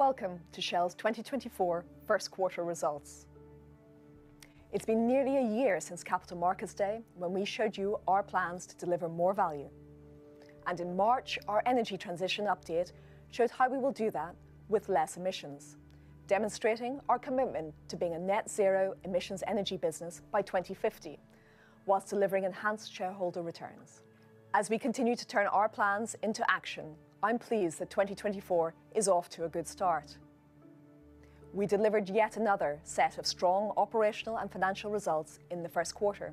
Welcome to Shell's 2024 first quarter results. It's been nearly a year since Capital Markets Day when we showed you our plans to deliver more value, and in March our energy transition update showed how we will do that with less emissions, demonstrating our commitment to being a net-zero emissions energy business by 2050, while delivering enhanced shareholder returns. As we continue to turn our plans into action, I'm pleased that 2024 is off to a good start. We delivered yet another set of strong operational and financial results in the first quarter.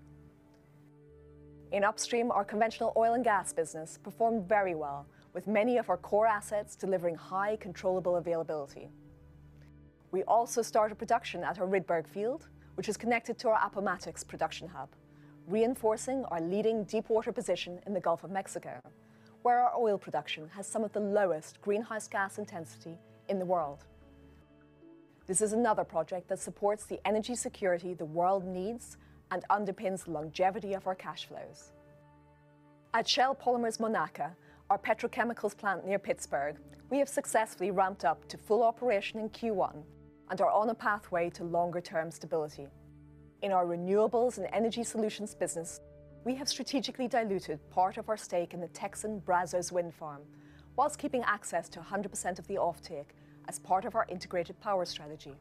In Upstream, our conventional oil and gas business performed very well, with many of our core assets delivering high controllable availability. We also started production at our Rydberg field, which is connected to our Appomattox production hub, reinforcing our leading deep-water position in the Gulf of Mexico, where our oil production has some of the lowest greenhouse gas intensity in the world. This is another project that supports the energy security the world needs and underpins the longevity of our cash flows. At Shell Polymers Monaca, our petrochemicals plant near Pittsburgh, we have successfully ramped up to full operation in Q1 and are on a pathway to longer-term stability. In our Renewables and Energy Solutions business, we have strategically diluted part of our stake in the Texan Brazos Wind Farm, whilst keeping access to 100% of the offtake as part of our integrated power strategy.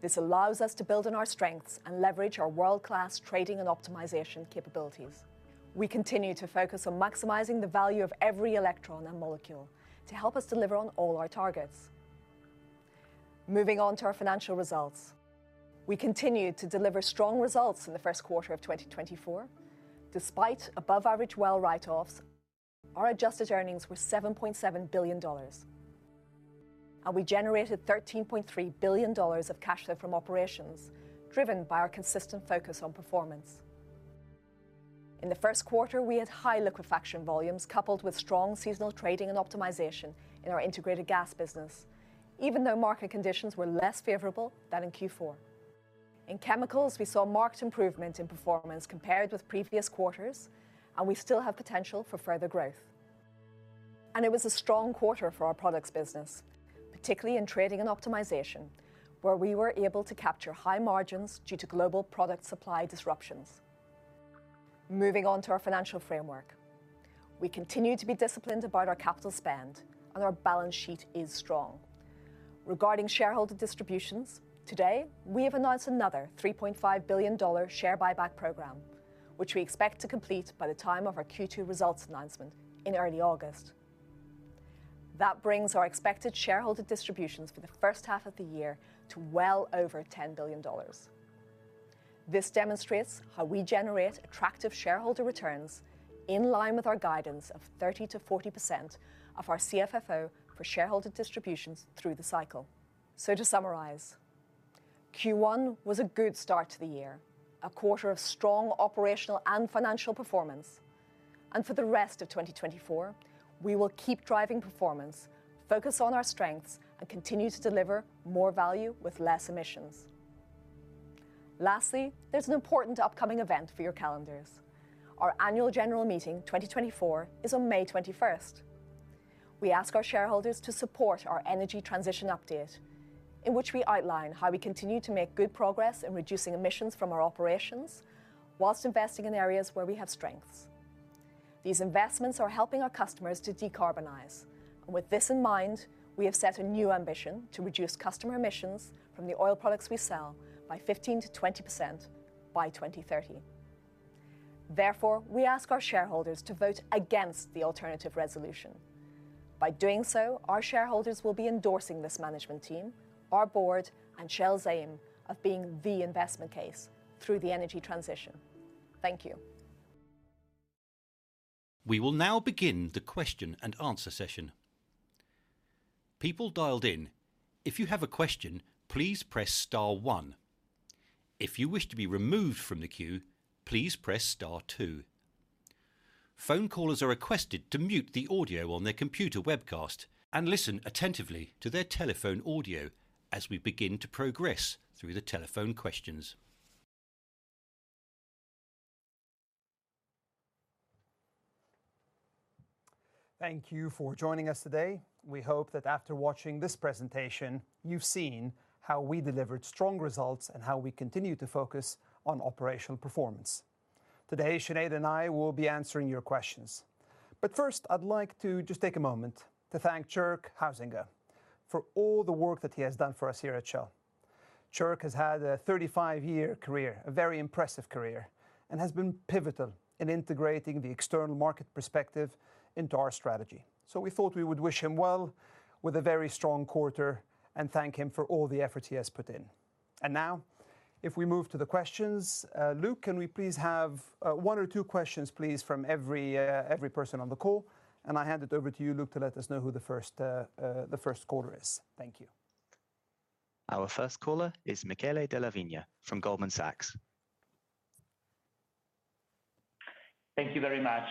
This allows us to build on our strengths and leverage our world-class trading and optimization capabilities. We continue to focus on maximizing the value of every electron and molecule to help us deliver on all our targets. Moving on to our financial results, we continue to deliver strong results in the first quarter of 2024. Despite above-average well write-offs, our adjusted earnings were $7.7 billion, and we generated $13.3 billion of cash flow from operations, driven by our consistent focus on performance. In the first quarter, we had high liquefaction volumes coupled with strong seasonal trading and optimization in our Integrated Gas business, even though market conditions were less favorable than in Q4. In chemicals, we saw marked improvement in performance compared with previous quarters, and we still have potential for further growth. It was a strong quarter for our products business, particularly in trading and optimization, where we were able to capture high margins due to global product supply disruptions. Moving on to our financial framework, we continue to be disciplined about our capital spend, and our balance sheet is strong. Regarding shareholder distributions, today we have announced another $3.5 billion share buyback program, which we expect to complete by the time of our Q2 results announcement in early August. That brings our expected shareholder distributions for the first half of the year to well over $10 billion. This demonstrates how we generate attractive shareholder returns in line with our guidance of 30%-40% of our CFFO for shareholder distributions through the cycle. So to summarize, Q1 was a good start to the year, a quarter of strong operational and financial performance, and for the rest of 2024, we will keep driving performance, focus on our strengths, and continue to deliver more value with less emissions. Lastly, there's an important upcoming event for your calendars. Our Annual General Meeting 2024 is on May 21st. We ask our shareholders to support our energy transition update, in which we outline how we continue to make good progress in reducing emissions from our operations while investing in areas where we have strengths. These investments are helping our customers to decarbonize, and with this in mind, we have set a new ambition to reduce customer emissions from the oil products we sell by 15%-20% by 2030. Therefore, we ask our shareholders to vote against the alternative resolution. By doing so, our shareholders will be endorsing this management team, our board, and Shell's aim of being the investment case through the energy transition. Thank you. We will now begin the Q&A session. People dialed in. If you have a question, please press star 1. If you wish to be removed from the queue, please press star 2. Phone callers are requested to mute the audio on their computer webcast and listen attentively to their telephone audio as we begin to progress through the telephone questions. Thank you for joining us today. We hope that after watching this presentation, you've seen how we delivered strong results and how we continue to focus on operational performance. Today, Sinéad and I will be answering your questions. But first, I'd like to just take a moment to thank Tjerk Huysinga for all the work that he has done for us here at Shell. Tjerk has had a 35-year career, a very impressive career, and has been pivotal in integrating the external market perspective into our strategy. So we thought we would wish him well with a very strong quarter and thank him for all the effort he has put in. And now, if we move to the questions, Luke, can we please have one or two questions, please, from every person on the call? I hand it over to you, Luke, to let us know who the first caller is. Thank you. Our first caller is Michele Della Vigna from Goldman Sachs. Thank you very much,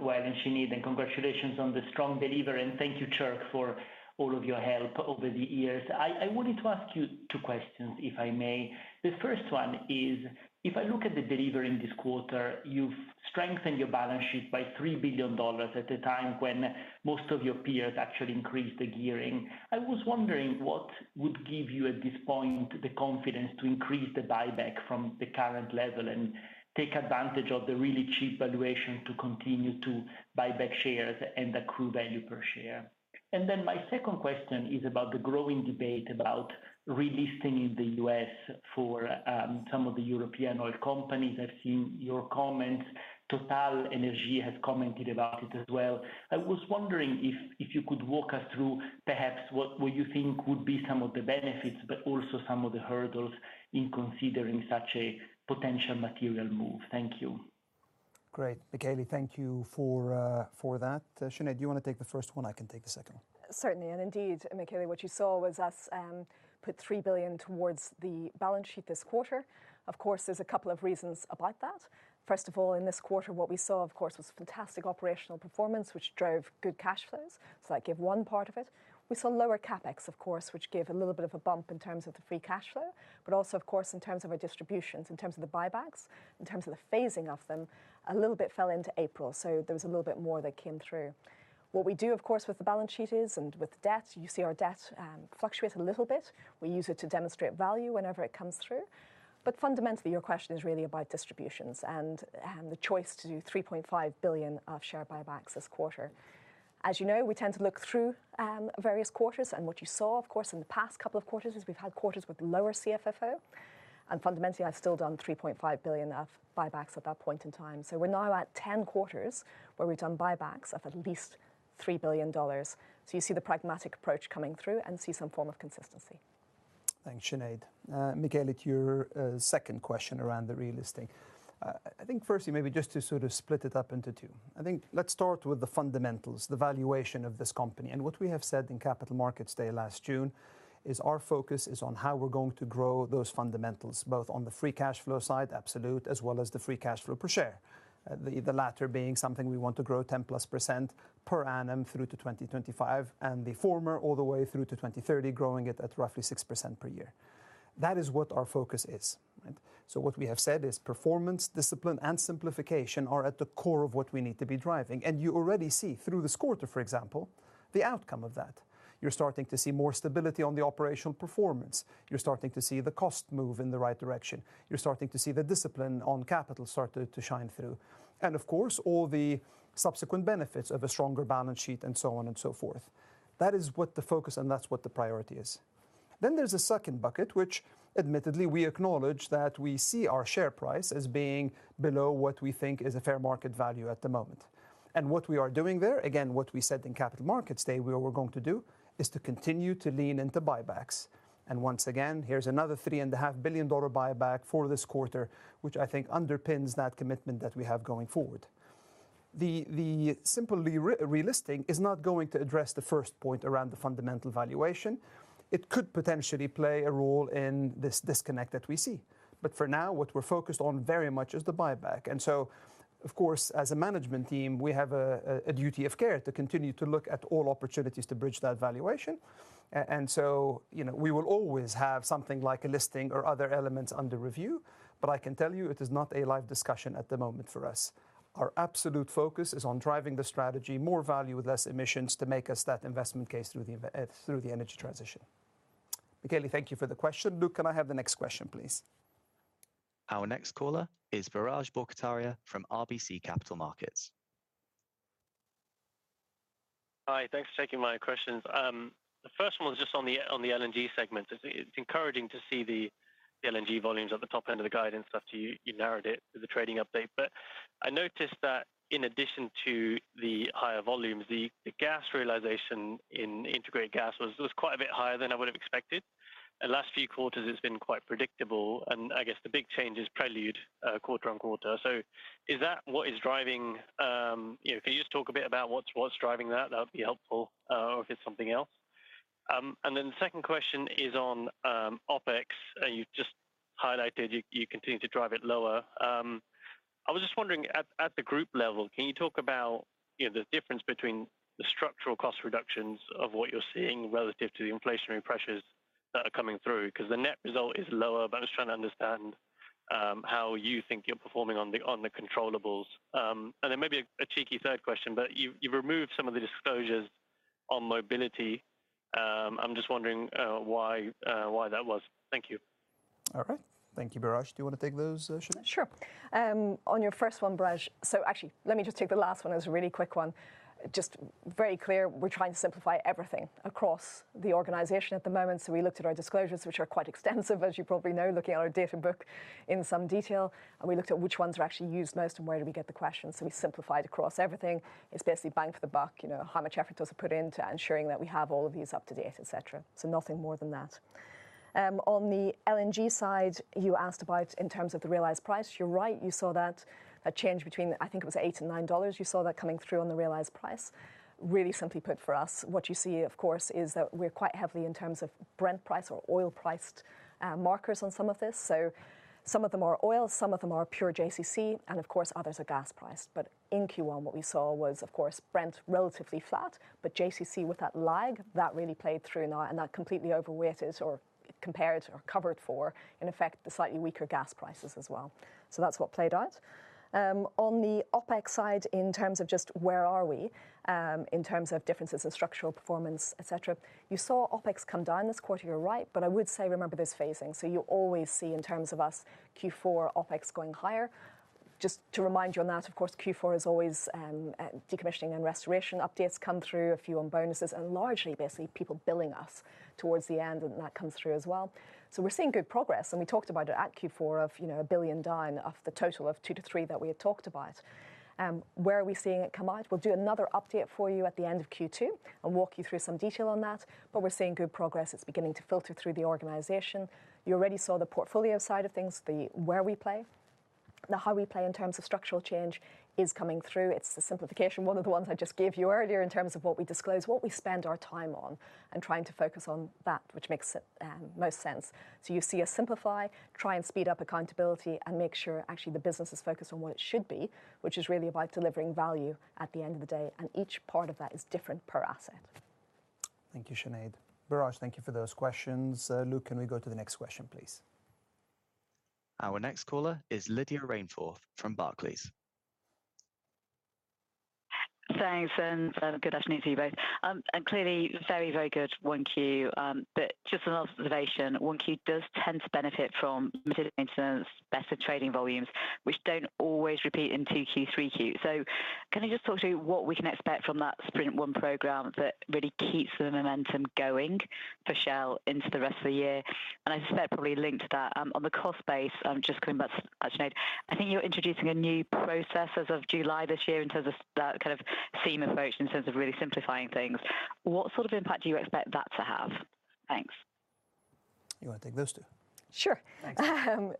Wael and Sinéad, and congratulations on the strong delivery. Thank you, Tjerk, for all of your help over the years. I wanted to ask you two questions, if I may. The first one is, if I look at the delivery in this quarter, you've strengthened your balance sheet by $3 billion at a time when most of your peers actually increased the gearing. I was wondering what would give you, at this point, the confidence to increase the buyback from the current level and take advantage of the really cheap valuation to continue to buy back shares and accrue value per share. And then my second question is about the growing debate about relisting in the U.S. for some of the European oil companies. I've seen your comments. TotalEnergies has commented about it as well. I was wondering if you could walk us through, perhaps, what you think would be some of the benefits, but also some of the hurdles in considering such a potential material move. Thank you. Great. Michele, thank you for that. Sinéad, do you want to take the first one? I can take the second one. Certainly. And indeed, Michele, what you saw was us put $3 billion towards the balance sheet this quarter. Of course, there's a couple of reasons about that. First of all, in this quarter, what we saw, of course, was fantastic operational performance, which drove good cash flows. So that gave one part of it. We saw lower CapEx, of course, which gave a little bit of a bump in terms of the free cash flow, but also, of course, in terms of our distributions, in terms of the buybacks, in terms of the phasing of them, a little bit fell into April, so there was a little bit more that came through. What we do, of course, with the balance sheet is, and with debt, you see our debt fluctuate a little bit. We use it to demonstrate value whenever it comes through. Fundamentally, your question is really about distributions and the choice to do $3.5 billion of share buybacks this quarter. As you know, we tend to look through various quarters. What you saw, of course, in the past couple of quarters is we've had quarters with lower CFFO. Fundamentally, I've still done $3.5 billion of buybacks at that point in time. We're now at 10 quarters where we've done buybacks of at least $3 billion. You see the pragmatic approach coming through and see some form of consistency. Thanks, Sinéad. Michele, it's your second question around the relisting. I think, firstly, maybe just to sort of split it up into two. I think let's start with the fundamentals, the valuation of this company. And what we have said in Capital Markets Day last June is our focus is on how we're going to grow those fundamentals, both on the free cash flow side, absolute, as well as the free cash flow per share, the latter being something we want to grow 10%+ per annum through to 2025, and the former all the way through to 2030, growing it at roughly 6% per year. That is what our focus is. So what we have said is performance, discipline, and simplification are at the core of what we need to be driving. And you already see, through this quarter, for example, the outcome of that. You're starting to see more stability on the operational performance. You're starting to see the cost move in the right direction. You're starting to see the discipline on capital start to shine through, and of course, all the subsequent benefits of a stronger balance sheet and so on and so forth. That is what the focus and that's what the priority is. Then there's a second bucket, which, admittedly, we acknowledge that we see our share price as being below what we think is a fair market value at the moment. And what we are doing there, again, what we said in Capital Markets Day what we're going to do is to continue to lean into buybacks. And once again, here's another $3.5 billion buyback for this quarter, which I think underpins that commitment that we have going forward. The simple relisting is not going to address the first point around the fundamental valuation. It could potentially play a role in this disconnect that we see. But for now, what we're focused on very much is the buyback. And so, of course, as a management team, we have a duty of care to continue to look at all opportunities to bridge that valuation. And so we will always have something like a listing or other elements under review. But I can tell you, it is not a live discussion at the moment for us. Our absolute focus is on driving the strategy, more value with less emissions, to make us that investment case through the energy transition. Michele, thank you for the question. Luke, can I have the next question, please? Our next caller is Biraj Borkhataria from RBC Capital Markets. Hi. Thanks for taking my questions. The first one was just on the LNG segment. It's encouraging to see the LNG volumes at the top end of the guide and stuff. You narrowed it with the trading update. But I noticed that, in addition to the higher volumes, the gas realization in Integrated Gas was quite a bit higher than I would have expected. And last few quarters, it's been quite predictable. And I guess the big change is Prelude quarter-on-quarter. So is that what is driving? Can you just talk a bit about what's driving that? That would be helpful, or if it's something else. And then the second question is on OPEX. You just highlighted you continue to drive it lower. I was just wondering, at the group level, can you talk about the difference between the structural cost reductions of what you're seeing relative to the inflationary pressures that are coming through? Because the net result is lower, but I was trying to understand how you think you're performing on the controllables. And then maybe a cheeky third question, but you've removed some of the disclosures on mobility. I'm just wondering why that was. Thank you. All right. Thank you, Biraj. Do you want to take those, Sinéad? Sure. On your first one, Biraj, so actually, let me just take the last one. It was a really quick one. Just very clear, we're trying to simplify everything across the organization at the moment. So we looked at our disclosures, which are quite extensive, as you probably know, looking at our data book in some detail. And we looked at which ones are actually used most and where do we get the questions. So we simplified across everything. It's basically bang for the buck, how much effort does it put into ensuring that we have all of these up to date, et cetera. So nothing more than that. On the LNG side, you asked about in terms of the realized price. You're right. You saw that change between, I think it was $8-$9. You saw that coming through on the realized price. Really simply put for us, what you see, of course, is that we're quite heavily in terms of Brent price or oil-priced markers on some of this. So some of them are oil. Some of them are pure JCC. And of course, others are gas-priced. But in Q1, what we saw was, of course, Brent relatively flat, but JCC with that lag, that really played through now. And that completely overweighted or compared or covered for, in effect, the slightly weaker gas prices as well. So that's what played out. On the OPEX side, in terms of just where are we in terms of differences in structural performance, et cetera, you saw OPEX come down this quarter. You're right. But I would say remember there's phasing. So you always see, in terms of us, Q4, OPEX going higher. Just to remind you on that, of course, Q4 is always decommissioning and restoration. Updates come through, a few on bonuses, and largely, basically, people billing us towards the end. And that comes through as well. So we're seeing good progress. And we talked about it at Q4, $1 billion down off the total of $2 billion-$3 billion that we had talked about. Where are we seeing it come out? We'll do another update for you at the end of Q2 and walk you through some detail on that. But we're seeing good progress. It's beginning to filter through the organization. You already saw the portfolio side of things, the where we play. The how we play in terms of structural change is coming through. It's the simplification, one of the ones I just gave you earlier, in terms of what we disclose, what we spend our time on, and trying to focus on that, which makes most sense. So you see us simplify, try and speed up accountability, and make sure actually the business is focused on what it should be, which is really about delivering value at the end of the day. And each part of that is different per asset. Thank you, Sinéad. Biraj, thank you for those questions. Lucas, can we go to the next question, please? Our next caller is Lydia Rainforth from Barclays. Thanks. Good afternoon to you both. Clearly, very, very good Q1. But just an observation, Q1 does tend to benefit from limited maintenance, better trading volumes, which don't always repeat in Q2, Q3. So can I just talk to you what we can expect from that Sprint One program that really keeps the momentum going for Shell into the rest of the year? And I suspect probably linked to that on the cost base, just coming back to Sinéad, I think you're introducing a new process as of July this year in terms of that kind of SEAM approach, in terms of really simplifying things. What sort of impact do you expect that to have? Thanks. You want to take those two? Sure.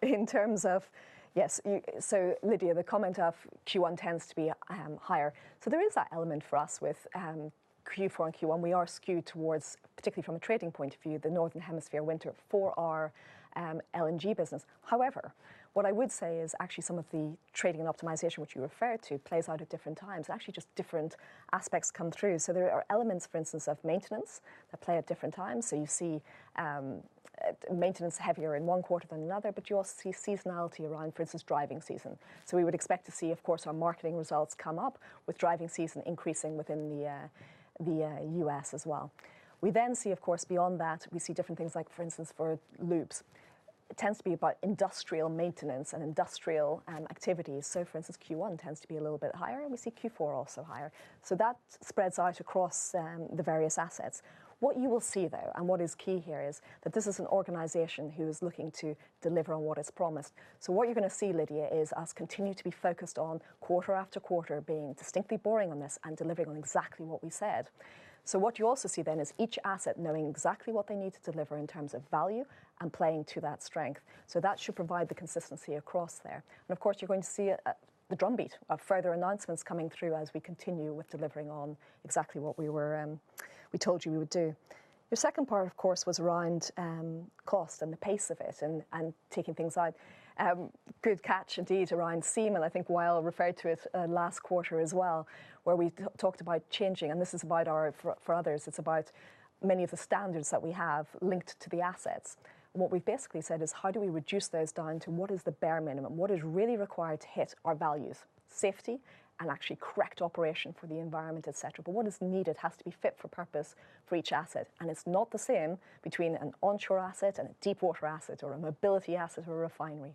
In terms of, yes. So, Lydia, the comment of Q1 tends to be higher. So there is that element for us with Q4 and Q1. We are skewed towards, particularly from a trading point of view, the Northern Hemisphere winter for our LNG business. However, what I would say is actually some of the trading and optimization, which you referred to, plays out at different times. And actually, just different aspects come through. So there are elements, for instance, of maintenance that play at different times. So you see maintenance heavier in one quarter than another. But you also see seasonality around, for instance, driving season. So we would expect to see, of course, our marketing results come up with driving season increasing within the U.S. as well. We then see, of course, beyond that, we see different things like, for instance, for Lubes, it tends to be about industrial maintenance and industrial activities. So, for instance, Q1 tends to be a little bit higher. And we see Q4 also higher. So that spreads out across the various assets. What you will see, though, and what is key here is that this is an organization who is looking to deliver on what it's promised. So what you're going to see, Lydia, is us continue to be focused on quarter after quarter being distinctly boring on this and delivering on exactly what we said. So what you also see then is each asset knowing exactly what they need to deliver in terms of value and playing to that strength. So that should provide the consistency across there. And of course, you're going to see the drumbeat of further announcements coming through as we continue with delivering on exactly what we told you we would do. Your second part, of course, was around cost and the pace of it and taking things out. Good catch, indeed, around SEAM. And I think Wael referred to it last quarter as well, where we talked about changing. And this is about our four others. It's about many of the standards that we have linked to the assets. What we've basically said is, how do we reduce those down to what is the bare minimum, what is really required to hit our values, safety and actually correct operation for the environment, et cetera? But what is needed has to be fit for purpose for each asset. It's not the same between an onshore asset and a deepwater asset or a mobility asset or a refinery.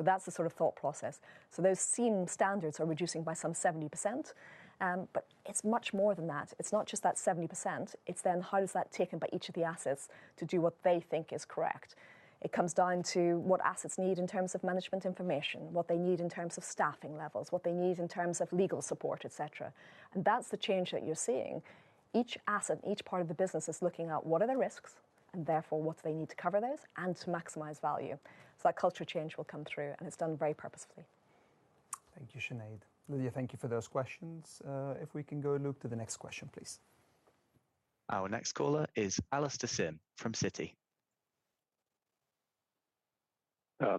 That's the sort of thought process. Those SEAM standards are reducing by some 70%. But it's much more than that. It's not just that 70%. It's then, how does that trickle by each of the assets to do what they think is correct? It comes down to what assets need in terms of management information, what they need in terms of staffing levels, what they need in terms of legal support, et cetera. That's the change that you're seeing. Each asset, each part of the business is looking at what are the risks and, therefore, what do they need to cover those and to maximize value. That culture change will come through. It's done very purposefully. Thank you, Sinéad. Lydia, thank you for those questions. If we can go, Luke, to the next question, please. Our next caller is Alastair Syme from Citi.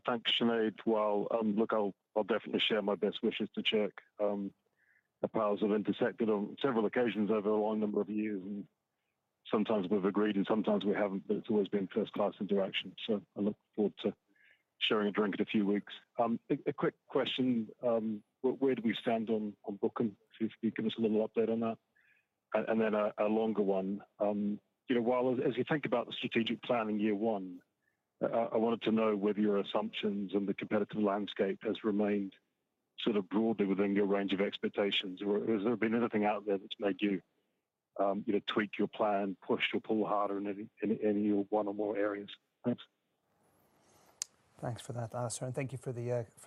Thanks, Sinéad. Well, look, I'll definitely share my best wishes to Tjerk. Our paths have intersected on several occasions over a long number of years. Sometimes we've agreed. Sometimes we haven't. But it's always been first-class interaction. So I look forward to sharing a drink in a few weeks. A quick question. Where do we stand on Bukom? If you could give us a little update on that. Then a longer one. Well, as you think about the strategic plan in year one, I wanted to know whether your assumptions and the competitive landscape has remained sort of broadly within your range of expectations. Or has there been anything out there that's made you tweak your plan, push or pull harder in any one or more areas? Thanks. Thanks for that, Alastair. Thank you for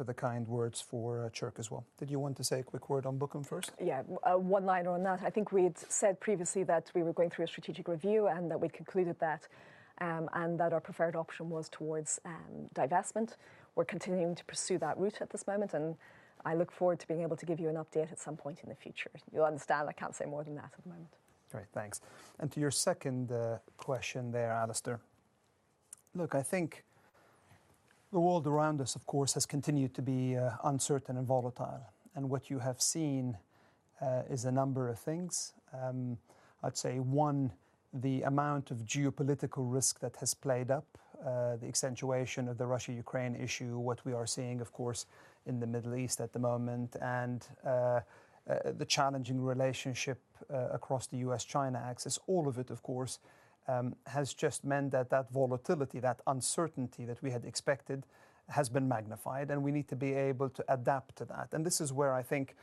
the kind words for Tjerk as well. Did you want to say a quick word on Bukom first? Yeah. One line on that. I think we had said previously that we were going through a strategic review and that we'd concluded that and that our preferred option was towards divestment. We're continuing to pursue that route at this moment. And I look forward to being able to give you an update at some point in the future. You'll understand I can't say more than that at the moment. Great. Thanks. And to your second question there, Alastair. Look, I think the world around us, of course, has continued to be uncertain and volatile. And what you have seen is a number of things. I'd say, one, the amount of geopolitical risk that has played up, the accentuation of the Russia-Ukraine issue, what we are seeing, of course, in the Middle East at the moment, and the challenging relationship across the US-China axis, all of it, of course, has just meant that that volatility, that uncertainty that we had expected has been magnified. And we need to be able to adapt to that. And this is where I think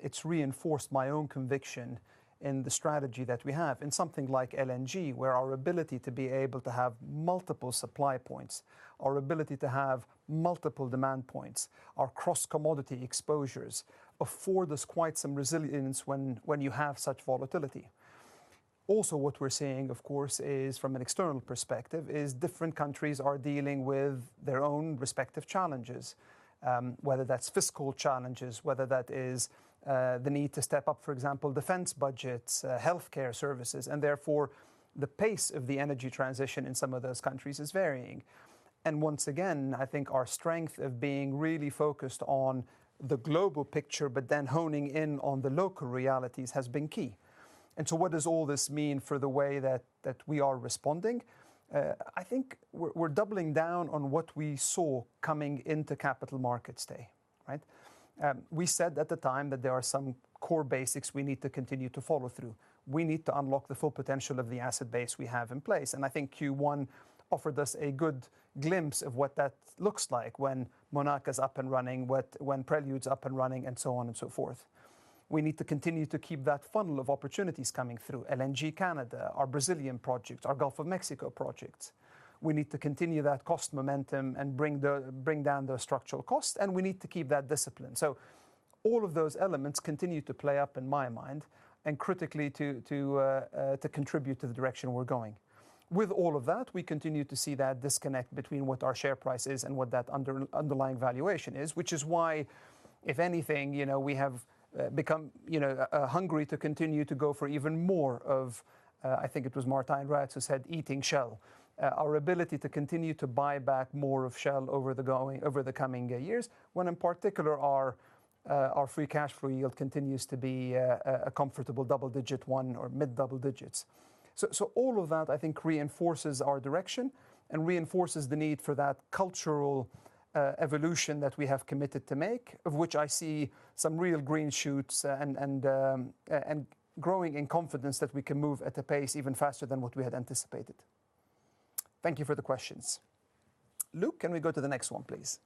it's reinforced my own conviction in the strategy that we have in something like LNG, where our ability to be able to have multiple supply points, our ability to have multiple demand points, our cross-commodity exposures afford us quite some resilience when you have such volatility. Also, what we're seeing, of course, is, from an external perspective, different countries are dealing with their own respective challenges, whether that's fiscal challenges, whether that is the need to step up, for example, defense budgets, healthcare services. And therefore, the pace of the energy transition in some of those countries is varying. And once again, I think our strength of being really focused on the global picture but then honing in on the local realities has been key. And so what does all this mean for the way that we are responding? I think we're doubling down on what we saw coming into capital markets today, right? We said at the time that there are some core basics we need to continue to follow through. We need to unlock the full potential of the asset base we have in place. I think Q1 offered us a good glimpse of what that looks like when Monaca is up and running, when Prelude is up and running, and so on and so forth. We need to continue to keep that funnel of opportunities coming through, LNG Canada, our Brazilian projects, our Gulf of Mexico projects. We need to continue that cost momentum and bring down those structural costs. We need to keep that discipline. All of those elements continue to play up in my mind and critically to contribute to the direction we're going. With all of that, we continue to see that disconnect between what our share price is and what that underlying valuation is, which is why, if anything, we have become hungry to continue to go for even more of I think it was Martijn Rats who said eating Shell, our ability to continue to buy back more of Shell over the coming years, when in particular, our free cash flow yield continues to be a comfortable double-digit one or mid-double digits. So all of that, I think, reinforces our direction and reinforces the need for that cultural evolution that we have committed to make, of which I see some real green shoots and growing in confidence that we can move at a pace even faster than what we had anticipated. Thank you for the questions. Luke, can we go to the next one, please?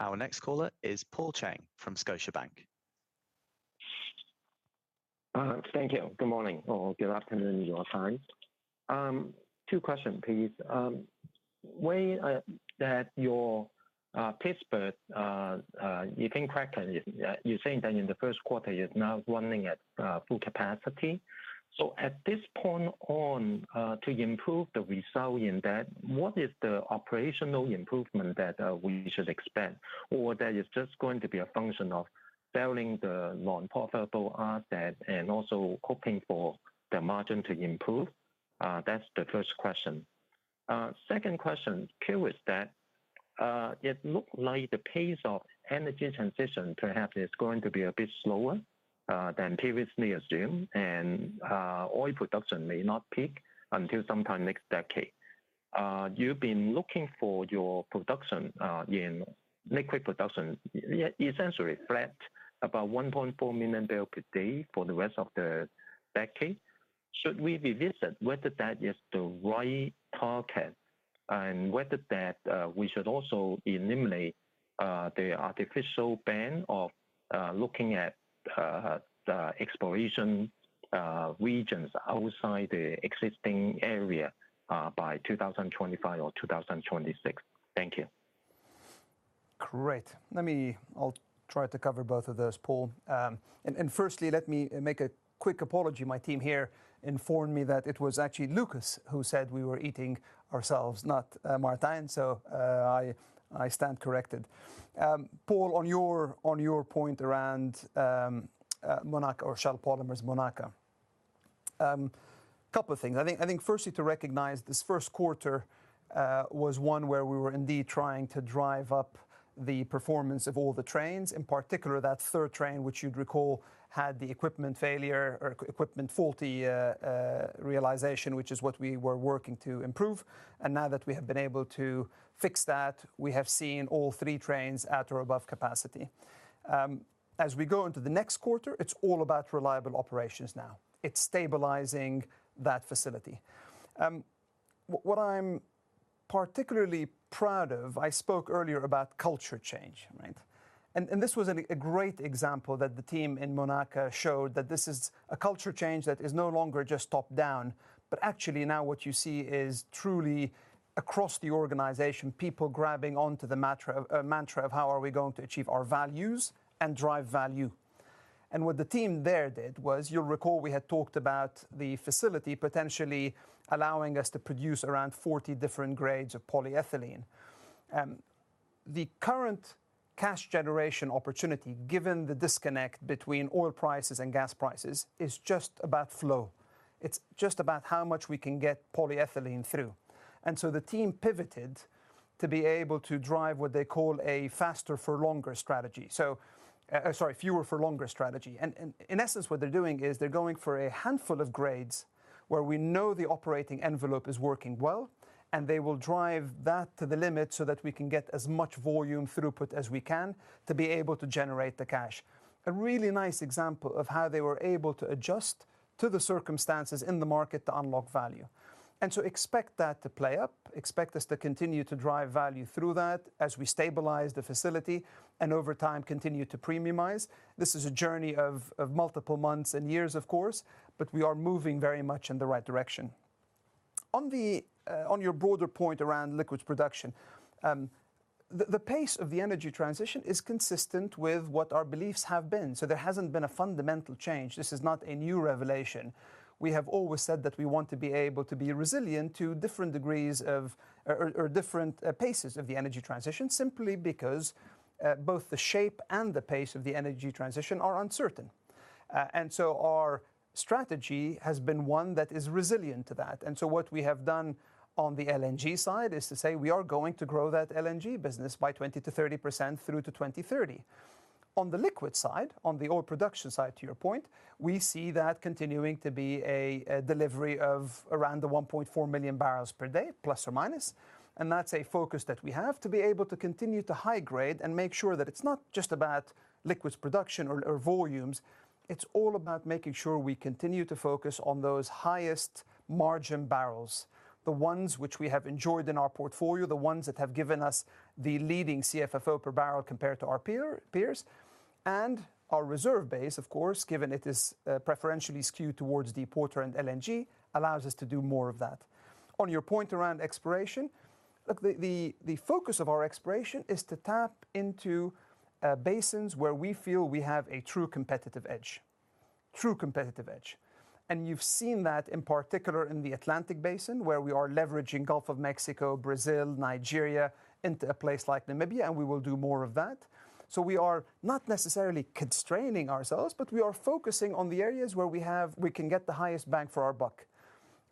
Our next caller is Paul Cheng from Scotiabank. Thank you. Good morning or good afternoon in your time. Two questions, please. The way that your Pittsburgh cracker, you're saying that in the first quarter, it's now running at full capacity. So at this point on, to improve the result in that, what is the operational improvement that we should expect? Or that is just going to be a function of selling the unprofitable asset and also hoping for the margin to improve? That's the first question. Second question, curious that it looked like the pace of energy transition perhaps is going to be a bit slower than previously assumed. And oil production may not peak until sometime next decade. You've been looking for your production in liquids production essentially flat, about 1.4 million barrels per day for the rest of the decade. Should we revisit whether that is the right target and whether that we should also eliminate the artificial ban of looking at the exploration regions outside the existing area by 2025 or 2026? Thank you. Great. Let me, I'll try to cover both of those, Paul. Firstly, let me make a quick apology. My team here informed me that it was actually Lucas who said we were eating ourselves, not Martijn. So I stand corrected. Paul, on your point around Monaca or Shell Polymers Monaca, a couple of things. I think firstly to recognize this first quarter was one where we were indeed trying to drive up the performance of all the trains, in particular that third train, which you'd recall had the equipment failure or equipment faulty realization, which is what we were working to improve. And now that we have been able to fix that, we have seen all three trains at or above capacity. As we go into the next quarter, it's all about reliable operations now. It's stabilizing that facility. What I'm particularly proud of, I spoke earlier about culture change, right? And this was a great example that the team in Monaca showed that this is a culture change that is no longer just top-down. But actually, now what you see is truly across the organization, people grabbing onto the mantra of how are we going to achieve our values and drive value. And what the team there did was you'll recall we had talked about the facility potentially allowing us to produce around 40 different grades of polyethylene. The current cash generation opportunity, given the disconnect between oil prices and gas prices, is just about flow. It's just about how much we can get polyethylene through. And so the team pivoted to be able to drive what they call a faster-for-longer strategy. So sorry, fewer-for-longer strategy. In essence, what they're doing is they're going for a handful of grades where we know the operating envelope is working well. They will drive that to the limit so that we can get as much volume throughput as we can to be able to generate the cash, a really nice example of how they were able to adjust to the circumstances in the market to unlock value. So expect that to play up. Expect us to continue to drive value through that as we stabilize the facility and over time continue to premiumize. This is a journey of multiple months and years, of course. But we are moving very much in the right direction. On your broader point around liquids production, the pace of the energy transition is consistent with what our beliefs have been. So there hasn't been a fundamental change. This is not a new revelation. We have always said that we want to be able to be resilient to different degrees of or different paces of the energy transition simply because both the shape and the pace of the energy transition are uncertain. And so our strategy has been one that is resilient to that. And so what we have done on the LNG side is to say, we are going to grow that LNG business by 20%-30% through to 2030. On the liquids side, on the oil production side, to your point, we see that continuing to be a delivery of around the 1.4 million barrels per day, ±. And that's a focus that we have to be able to continue to high-grade and make sure that it's not just about liquids production or volumes. It's all about making sure we continue to focus on those highest margin barrels, the ones which we have enjoyed in our portfolio, the ones that have given us the leading CFFO per barrel compared to our peers. And our reserve base, of course, given it is preferentially skewed towards deepwater and LNG, allows us to do more of that. On your point around exploration, look, the focus of our exploration is to tap into basins where we feel we have a true competitive edge, true competitive edge. And you've seen that in particular in the Atlantic Basin, where we are leveraging Gulf of Mexico, Brazil, Nigeria into a place like Namibia. And we will do more of that. So we are not necessarily constraining ourselves. But we are focusing on the areas where we can get the highest bang for our buck.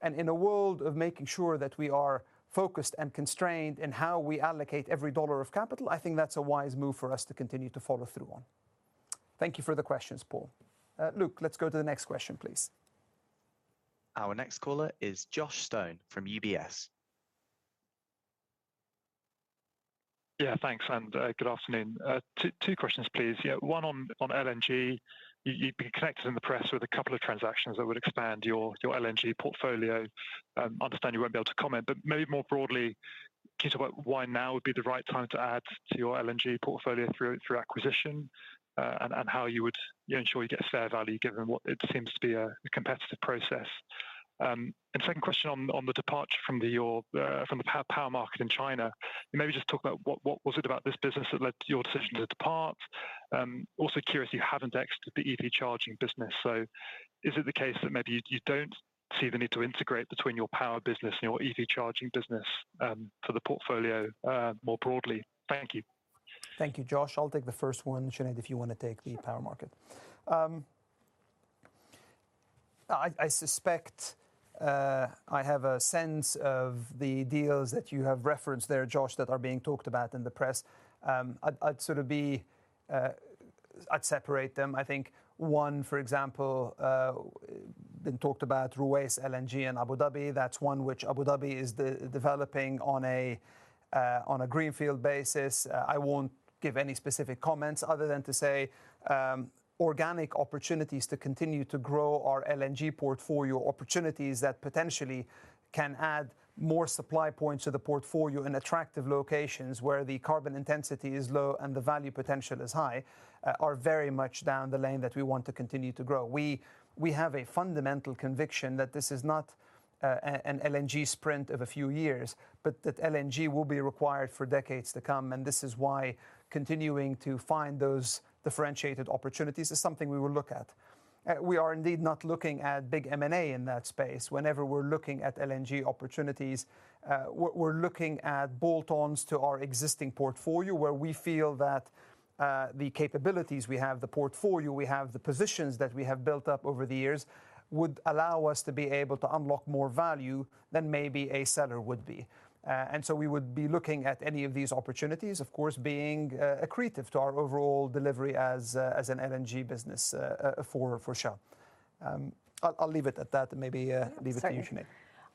In a world of making sure that we are focused and constrained in how we allocate every dollar of capital, I think that's a wise move for us to continue to follow through on. Thank you for the questions, Paul. Luke, let's go to the next question, please. Our next caller is Josh Stone from UBS. Yeah. Thanks. Good afternoon. Two questions, please. One on LNG. You've been connected in the press with a couple of transactions that would expand your LNG portfolio. Understand you won't be able to comment. But maybe more broadly, can you talk about why now would be the right time to add to your LNG portfolio through acquisition and how you would ensure you get fair value given what it seems to be a competitive process? Second question on the departure from the power market in China. Maybe just talk about what was it about this business that led to your decision to depart? Also, curious, you haven't exited the EV charging business. So is it the case that maybe you don't see the need to integrate between your power business and your EV charging business for the portfolio more broadly? Thank you. Thank you, Josh. I'll take the first one, Sinéad, if you want to take the power market. I suspect I have a sense of the deals that you have referenced there, Josh, that are being talked about in the press. I'd separate them. I think one, for example, been talked about, Ruwais LNG in Abu Dhabi. That's one which Abu Dhabi is developing on a greenfield basis. I won't give any specific comments other than to say organic opportunities to continue to grow our LNG portfolio, opportunities that potentially can add more supply points to the portfolio in attractive locations where the carbon intensity is low and the value potential is high, are very much down the lane that we want to continue to grow. We have a fundamental conviction that this is not an LNG sprint of a few years, but that LNG will be required for decades to come. And this is why continuing to find those differentiated opportunities is something we will look at. We are indeed not looking at big M&A in that space. Whenever we're looking at LNG opportunities, we're looking at bolt-ons to our existing portfolio, where we feel that the capabilities we have, the portfolio we have, the positions that we have built up over the years would allow us to be able to unlock more value than maybe a seller would be. And so we would be looking at any of these opportunities, of course, being accretive to our overall delivery as an LNG business for Shell. I'll leave it at that. Maybe leave it to you, Sinéad.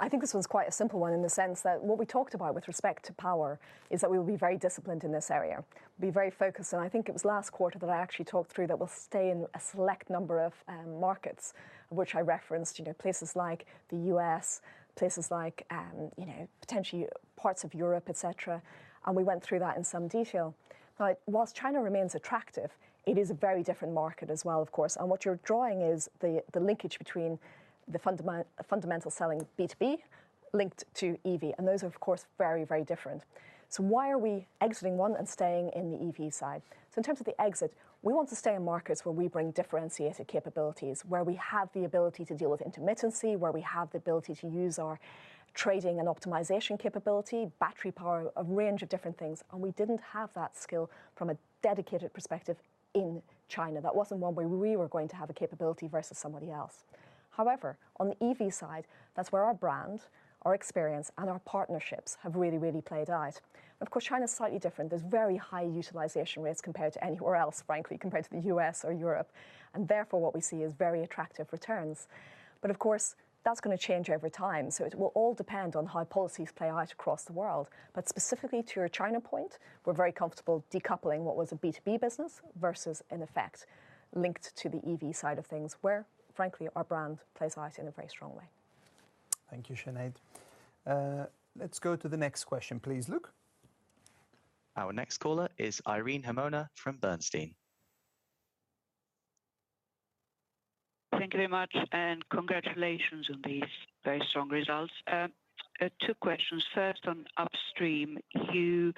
I think this one's quite a simple one in the sense that what we talked about with respect to power is that we will be very disciplined in this area, be very focused. I think it was last quarter that I actually talked through that we'll stay in a select number of markets, of which I referenced places like the U.S., places like potentially parts of Europe, et cetera. We went through that in some detail. Now, while China remains attractive, it is a very different market as well, of course. What you're drawing is the linkage between the fundamental selling B2B linked to EV. Those are, of course, very, very different. So why are we exiting one and staying in the EV side? So in terms of the exit, we want to stay in markets where we bring differentiated capabilities, where we have the ability to deal with intermittency, where we have the ability to use our trading and optimization capability, battery power, a range of different things. And we didn't have that skill from a dedicated perspective in China. That wasn't one where we were going to have a capability versus somebody else. However, on the EV side, that's where our brand, our experience, and our partnerships have really, really played out. Of course, China's slightly different. There's very high utilization rates compared to anywhere else, frankly, compared to the US or Europe. And therefore, what we see is very attractive returns. But of course, that's going to change over time. So it will all depend on how policies play out across the world. But specifically to your China point, we're very comfortable decoupling what was a B2B business versus, in effect, linked to the EV side of things, where, frankly, our brand plays out in a very strong way. Thank you, Sinéad. Let's go to the next question, please, Lucas. Our next caller is Irene Himona from Bernstein. Thank you very much. And congratulations on these very strong results. Two questions. First, on Upstream, you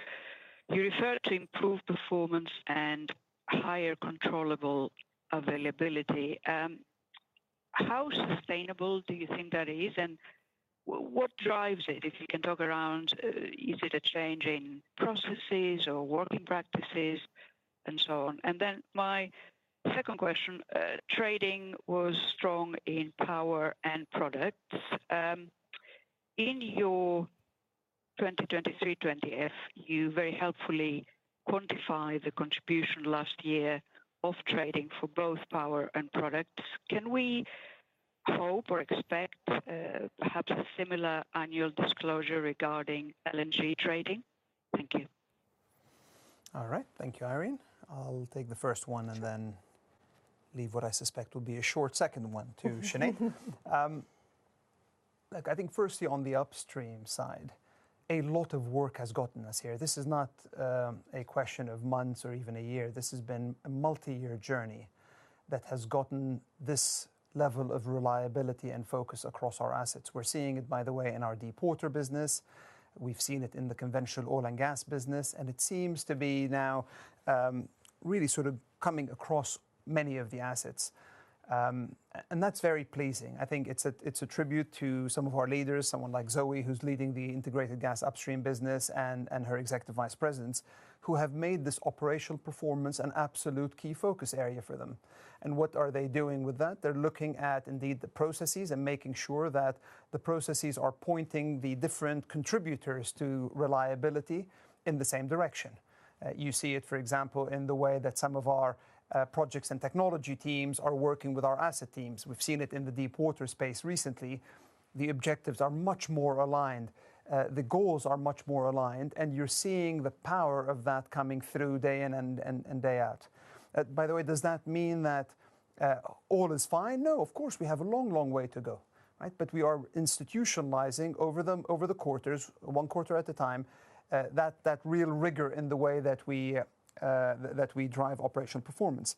referred to improved performance and higher controllable availability. How sustainable do you think that is? And what drives it? If you can talk around, is it a change in processes or working practices and so on? And then my second question, trading was strong in power and products. In your 2023 20-F, you very helpfully quantified the contribution last year of trading for both power and products. Can we hope or expect perhaps a similar annual disclosure regarding LNG trading? Thank you. All right. Thank you, Irene. I'll take the first one and then leave what I suspect will be a short second one to Sinéad. Look, I think firstly, on the Upstream side, a lot of work has gotten us here. This is not a question of months or even a year. This has been a multi-year journey that has gotten this level of reliability and focus across our assets. We're seeing it, by the way, in our Deepwater business. We've seen it in the conventional oil and gas business. And it seems to be now really sort of coming across many of the assets. And that's very pleasing. I think it's a tribute to some of our leaders, someone like Zoë, who's leading the Integrated Gas Upstream business, and her executive vice presidents, who have made this operational performance an absolute key focus area for them. What are they doing with that? They're looking at, indeed, the processes and making sure that the processes are pointing the different contributors to reliability in the same direction. You see it, for example, in the way that some of our projects and technology teams are working with our asset teams. We've seen it in the Deepwater space recently. The objectives are much more aligned. The goals are much more aligned. And you're seeing the power of that coming through day in and day out. By the way, does that mean that all is fine? No, of course. We have a long, long way to go, right? But we are institutionalizing over the quarters, one quarter at a time, that real rigor in the way that we drive operational performance.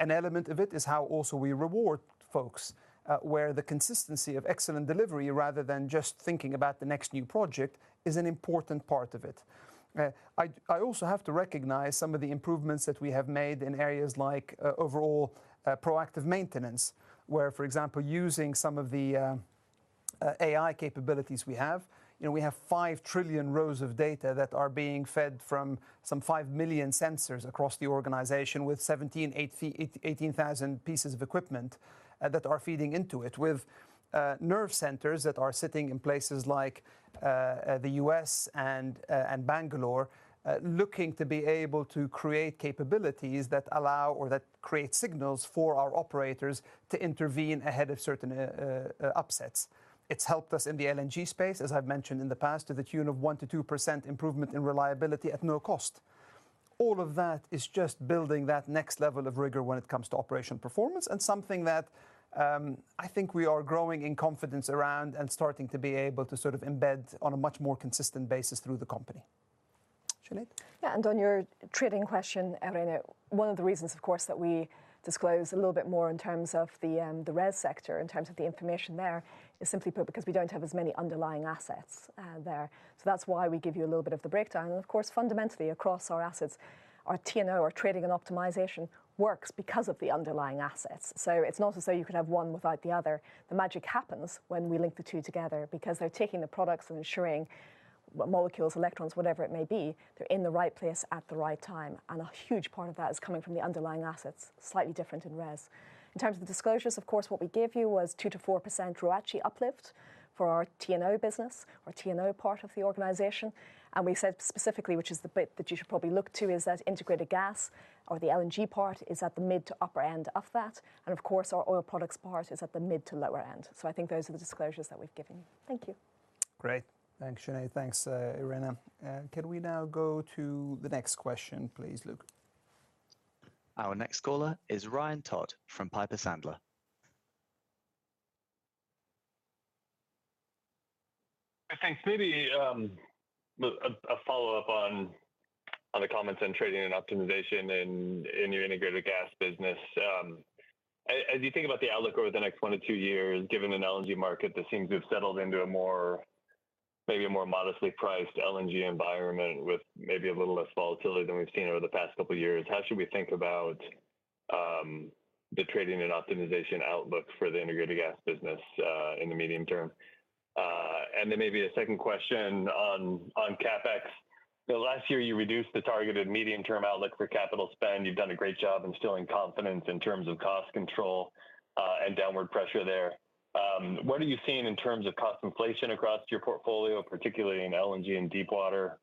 An element of it is how also we reward folks, where the consistency of excellent delivery, rather than just thinking about the next new project, is an important part of it. I also have to recognize some of the improvements that we have made in areas like overall proactive maintenance, where, for example, using some of the AI capabilities we have, we have 5 trillion rows of data that are being fed from some 5 million sensors across the organization with 17,000 pieces of equipment that are feeding into it, with nerve centers that are sitting in places like the U.S. and Bangalore looking to be able to create capabilities that allow or that create signals for our operators to intervene ahead of certain upsets. It's helped us in the LNG space, as I've mentioned in the past, to the tune of 1%-2% improvement in reliability at no cost. All of that is just building that next level of rigor when it comes to operational performance and something that I think we are growing in confidence around and starting to be able to sort of embed on a much more consistent basis through the company. Sinéad. Yeah. And on your trading question, Irene, one of the reasons, of course, that we disclose a little bit more in terms of the RES sector, in terms of the information there, is simply because we don't have as many underlying assets there. So that's why we give you a little bit of the breakdown. And of course, fundamentally, across our assets, our T&O, our trading and optimization, works because of the underlying assets. So it's not as though you could have one without the other. The magic happens when we link the two together because they're taking the products and ensuring molecules, electrons, whatever it may be, they're in the right place at the right time. And a huge part of that is coming from the underlying assets, slightly different in RES. In terms of the disclosures, of course, what we give you was 2%-4% ROACE uplift for our T&O business, our T&O part of the organization. And we said specifically, which is the bit that you should probably look to, is that Integrated Gas or the LNG part is at the mid- to upper end of that. And of course, our oil products part is at the mid- to lower end. So I think those are the disclosures that we've given you. Thank you. Great. Thanks, Sinéad. Thanks, Irene. Can we now go to the next question, please, Luke? Our next caller is Ryan Todd from Piper Sandler. Thanks. Maybe a follow-up on the comments on trading and optimization in your Integrated Gas business. As you think about the outlook over the next one to two years, given an LNG market that seems to have settled into a more maybe a more modestly priced LNG environment with maybe a little less volatility than we've seen over the past couple of years, how should we think about the trading and optimization outlook for the Integrated Gas business in the medium term? And then maybe a second question on CapEx. Last year, you reduced the targeted medium-term outlook for capital spend. You've done a great job instilling confidence in terms of cost control and downward pressure there. What are you seeing in terms of cost inflation across your portfolio, particularly in LNG and Deepwater?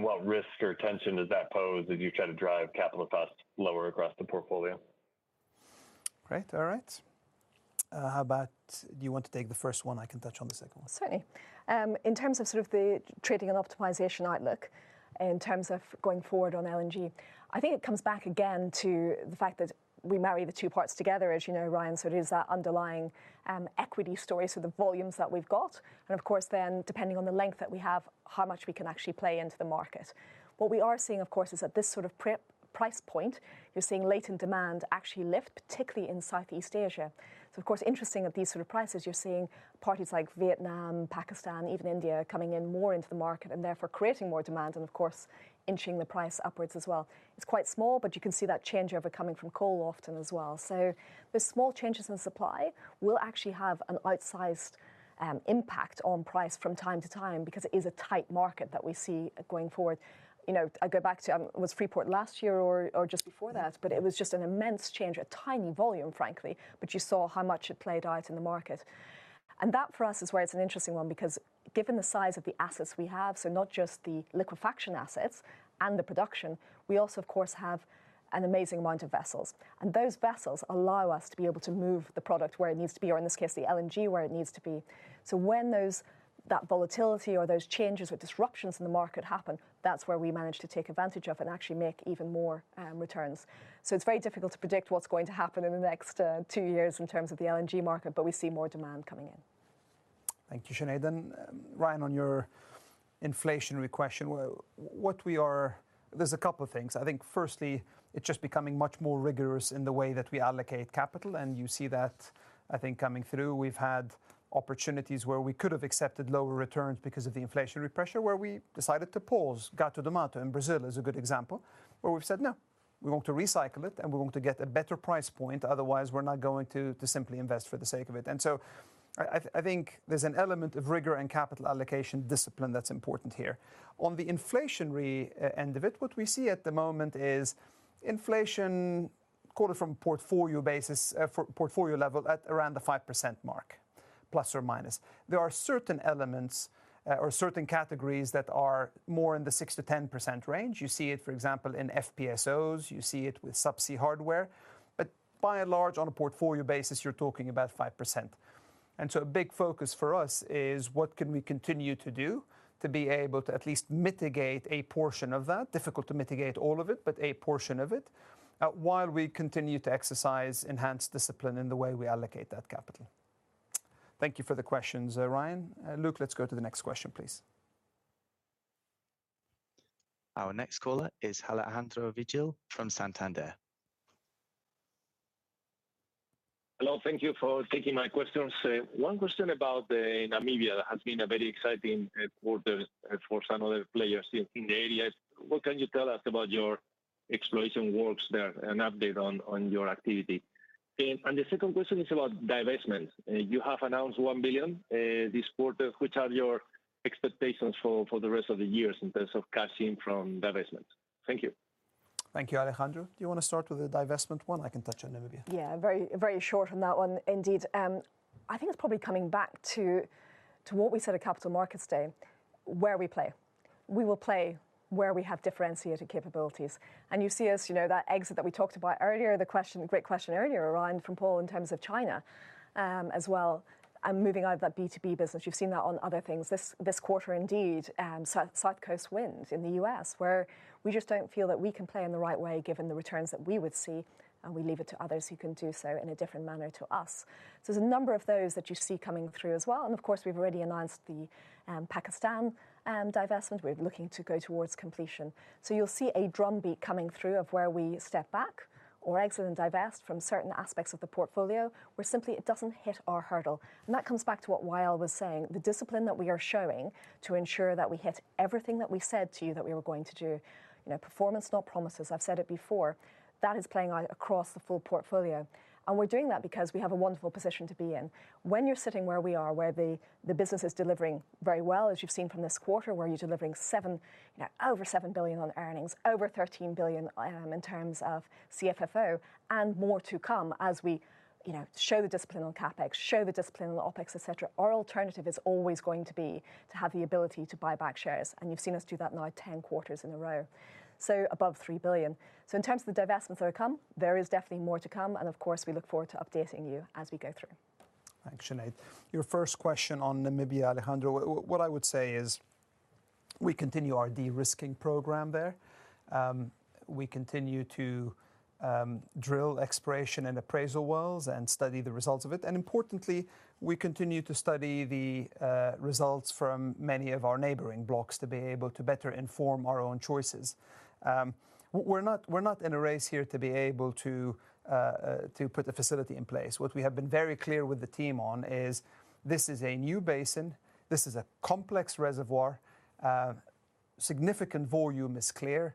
What risk or tension does that pose as you try to drive capital costs lower across the portfolio? Great. All right. How about do you want to take the first one? I can touch on the second one. Certainly. In terms of sort of the trading and optimization outlook in terms of going forward on LNG, I think it comes back again to the fact that we marry the two parts together. As you know, Ryan, sort of is that underlying equity story, so the volumes that we've got. And of course, then depending on the length that we have, how much we can actually play into the market. What we are seeing, of course, is at this sort of price point, you're seeing latent demand actually lift, particularly in Southeast Asia. So of course, interesting at these sort of prices, you're seeing parties like Vietnam, Pakistan, even India coming in more into the market and therefore creating more demand and, of course, inching the price upwards as well. It's quite small, but you can see that change overcoming from coal often as well. So those small changes in supply will actually have an outsized impact on price from time to time because it is a tight market that we see going forward. I go back to was Freeport last year or just before that? But it was just an immense change, a tiny volume, frankly. But you saw how much it played out in the market. And that for us is where it's an interesting one because given the size of the assets we have, so not just the liquefaction assets and the production, we also, of course, have an amazing amount of vessels. And those vessels allow us to be able to move the product where it needs to be, or in this case, the LNG where it needs to be. So when that volatility or those changes or disruptions in the market happen, that's where we manage to take advantage of and actually make even more returns. So it's very difficult to predict what's going to happen in the next two years in terms of the LNG market. But we see more demand coming in. Thank you, Sinéad. And Ryan, on your inflationary question, what we are, there's a couple of things. I think firstly, it's just becoming much more rigorous in the way that we allocate capital. And you see that, I think, coming through. We've had opportunities where we could have accepted lower returns because of the inflationary pressure, where we decided to pause. Gato do Mato in Brazil is a good example, where we've said, no, we want to recycle it, and we want to get a better price point. Otherwise, we're not going to simply invest for the sake of it. And so I think there's an element of rigor and capital allocation discipline that's important here. On the inflationary end of it, what we see at the moment is inflation quarter from portfolio basis, portfolio level at around the 5% mark, plus or minus. There are certain elements or certain categories that are more in the 6%-10% range. You see it, for example, in FPSOs. You see it with subsea hardware. But by and large, on a portfolio basis, you're talking about 5%. And so a big focus for us is, what can we continue to do to be able to at least mitigate a portion of that difficult to mitigate all of it, but a portion of it while we continue to exercise enhanced discipline in the way we allocate that capital? Thank you for the questions, Ryan. Luke, let's go to the next question, please. Our next caller is Alejandro Vigil from Santander. Hello. Thank you for taking my questions. One question about Namibia that has been a very exciting quarter for some other players in the area. What can you tell us about your exploration works there and update on your activity? And the second question is about divestment. You have announced $1 billion this quarter. Which are your expectations for the rest of the years in terms of cash in from divestment? Thank you. Thank you, Alejandro. Do you want to start with the divestment one? I can touch on Namibia. Yeah, very short on that one, indeed. I think it's probably coming back to what we said at Capital Markets Day, where we play. We will play where we have differentiated capabilities. And you see us that exit that we talked about earlier, the question great question earlier, Ryan, from Paul, in terms of China as well, and moving out of that B2B business. You've seen that on other things. This quarter, indeed, SouthCoast Wind in the U.S., where we just don't feel that we can play in the right way given the returns that we would see. And we leave it to others who can do so in a different manner to us. So there's a number of those that you see coming through as well. And of course, we've already announced the Pakistan divestment. We're looking to go towards completion. So, you'll see a drumbeat coming through of where we step back or exit and divest from certain aspects of the portfolio where simply it doesn't hit our hurdle. And that comes back to what Wael was saying, the discipline that we are showing to ensure that we hit everything that we said to you that we were going to do: performance, not promises. I've said it before. That is playing out across the full portfolio. And we're doing that because we have a wonderful position to be in. When you're sitting where we are, where the business is delivering very well, as you've seen from this quarter, where you're delivering over $7 billion on earnings, over $13 billion in terms of CFFO, and more to come as we show the discipline on CapEx, show the discipline on OPEX, et cetera, our alternative is always going to be to have the ability to buy back shares. And you've seen us do that now 10 quarters in a row, so above $3 billion. So in terms of the divestments that have come, there is definitely more to come. And of course, we look forward to updating you as we go through. Thanks, Sinéad. Your first question on Namibia, Alejandro. What I would say is, we continue our de-risking program there. We continue to drill exploration and appraisal wells and study the results of it. And importantly, we continue to study the results from many of our neighboring blocks to be able to better inform our own choices. We're not in a race here to be able to put a facility in place. What we have been very clear with the team on is, this is a new basin. This is a complex reservoir. Significant volume is clear,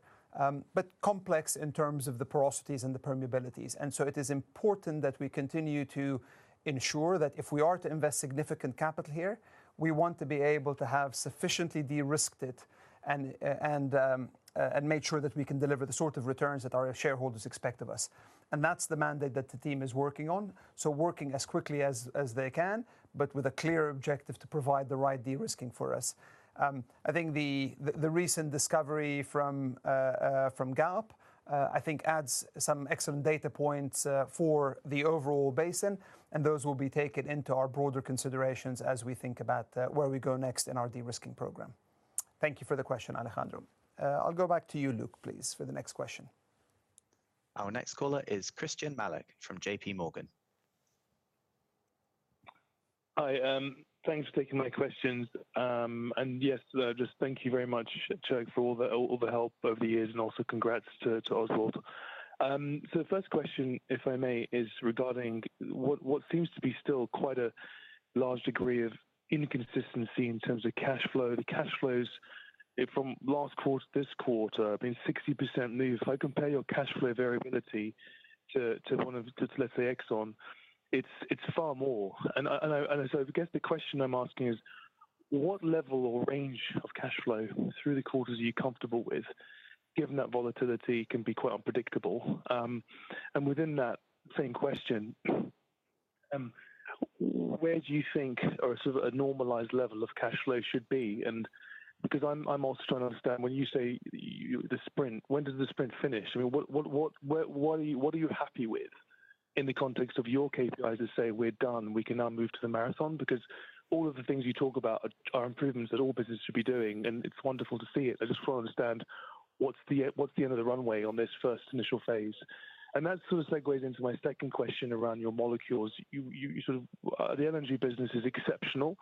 but complex in terms of the porosities and the permeabilities. It is important that we continue to ensure that if we are to invest significant capital here, we want to be able to have sufficiently de-risked it and made sure that we can deliver the sort of returns that our shareholders expect of us. That's the mandate that the team is working on, so working as quickly as they can, but with a clear objective to provide the right de-risking for us. I think the recent discovery from Galp, I think, adds some excellent data points for the overall basin. Those will be taken into our broader considerations as we think about where we go next in our de-risking program. Thank you for the question, Alejandro. I'll go back to you, Lucas, please, for the next question. Our next caller is Christyan Malek from JPMorgan. Hi. Thanks for taking my questions. And yes, just thank you very much, Tjerk, for all the help over the years. And also congrats to Oswald. So the first question, if I may, is regarding what seems to be still quite a large degree of inconsistency in terms of cash flow. The cash flows from last quarter to this quarter have been 60% move. If I compare your cash flow variability to one or two, let's say, Exxon, it's far more. And so I guess the question I'm asking is, what level or range of cash flow through the quarters are you comfortable with, given that volatility can be quite unpredictable? And within that same question, where do you think sort of a normalized level of cash flow should be? And because I'm also trying to understand, when you say the sprint, when does the sprint finish? I mean, what are you happy with in the context of your KPIs to say, we're done, we can now move to the marathon? Because all of the things you talk about are improvements that all businesses should be doing. And it's wonderful to see it. I just want to understand what's the end of the runway on this first initial phase. And that sort of segues into my second question around your molecules. The LNG business is exceptional.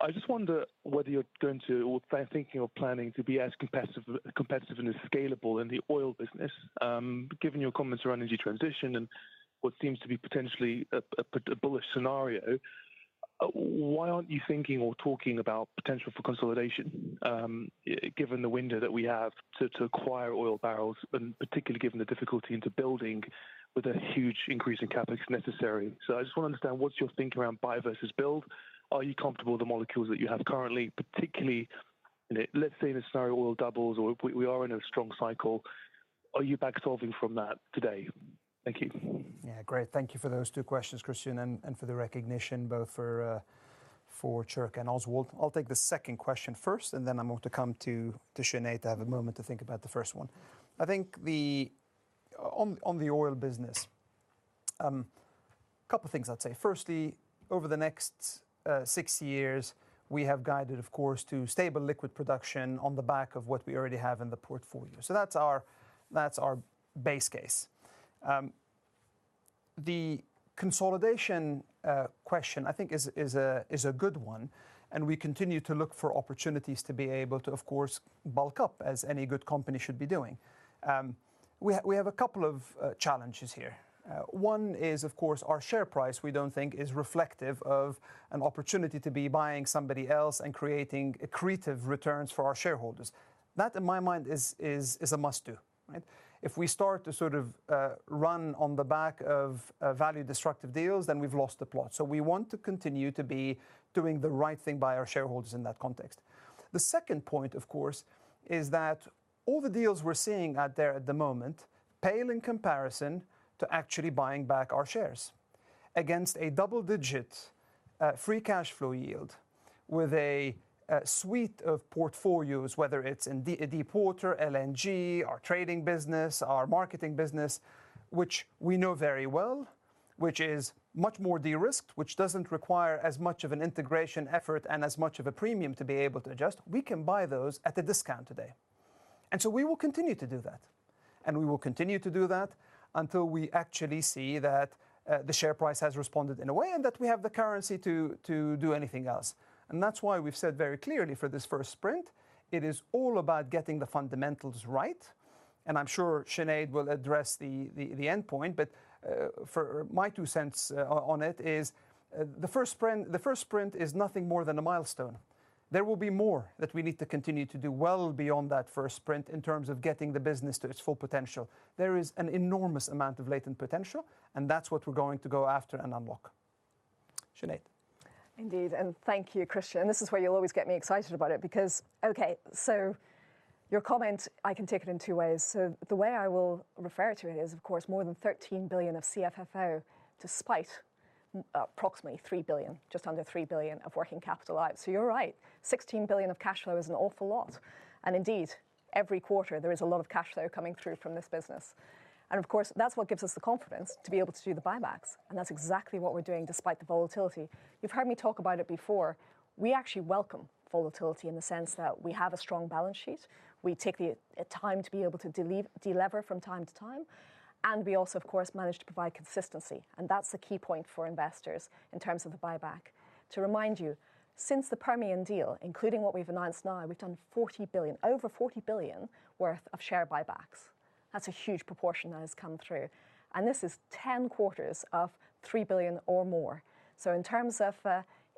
I just wonder whether you're going to or thinking or planning to be as competitive and as scalable in the oil business. Given your comments around energy transition and what seems to be potentially a bullish scenario, why aren't you thinking or talking about potential for consolidation, given the window that we have to acquire oil barrels, and particularly given the difficulty into building with a huge increase in CapEx necessary? I just want to understand what's your thinking around buy versus build? Are you comfortable with the molecules that you have currently, particularly, let's say, in a scenario oil doubles or we are in a strong cycle, are you back solving from that today? Thank you. Yeah, great. Thank you for those two questions, Christyan, and for the recognition, both for Tjerk Huysinga and Oswald Clint. I'll take the second question first. Then I'm going to come to Sinéad Gorman to have a moment to think about the first one. I think on the oil business, a couple of things, I'd say. Firstly, over the next six years, we have guided, of course, to stable liquids production on the back of what we already have in the portfolio. So that's our base case. The consolidation question, I think, is a good one. We continue to look for opportunities to be able to, of course, bulk up, as any good company should be doing. We have a couple of challenges here. One is, of course, our share price, we don't think, is reflective of an opportunity to be buying somebody else and creating accretive returns for our shareholders. That, in my mind, is a must-do, right? If we start to sort of run on the back of value destructive deals, then we've lost the plot. So we want to continue to be doing the right thing by our shareholders in that context. The second point, of course, is that all the deals we're seeing out there at the moment pale in comparison to actually buying back our shares against a double-digit free cash flow yield with a suite of portfolios, whether it's a Deepwater, LNG, our trading business, our marketing business, which we know very well, which is much more de-risked, which doesn't require as much of an integration effort and as much of a premium to be able to adjust. We can buy those at a discount today. And so we will continue to do that. We will continue to do that until we actually see that the share price has responded in a way and that we have the currency to do anything else. That's why we've said very clearly for this first sprint, it is all about getting the fundamentals right. I'm sure Sinéad will address the end point. But my two cents on it is, the first sprint is nothing more than a milestone. There will be more that we need to continue to do well beyond that first sprint in terms of getting the business to its full potential. There is an enormous amount of latent potential. That's what we're going to go after and unlock. Sinéad. Indeed. And thank you, Christyan. And this is where you'll always get me excited about it because, OK, so your comment, I can take it in two ways. So the way I will refer to it is, of course, more than $13 billion of CFFO despite approximately $3 billion, just under $3 billion, of working capital out. So you're right. $16 billion of cash flow is an awful lot. And indeed, every quarter, there is a lot of cash flow coming through from this business. And of course, that's what gives us the confidence to be able to do the buybacks. And that's exactly what we're doing despite the volatility. You've heard me talk about it before. We actually welcome volatility in the sense that we have a strong balance sheet. We take the time to be able to delever from time to time. We also, of course, manage to provide consistency. That's the key point for investors in terms of the buyback. To remind you, since the Permian deal, including what we've announced now, we've done $40 billion, over $40 billion worth of share buybacks. That's a huge proportion that has come through. This is 10 quarters of $3 billion or more. In terms of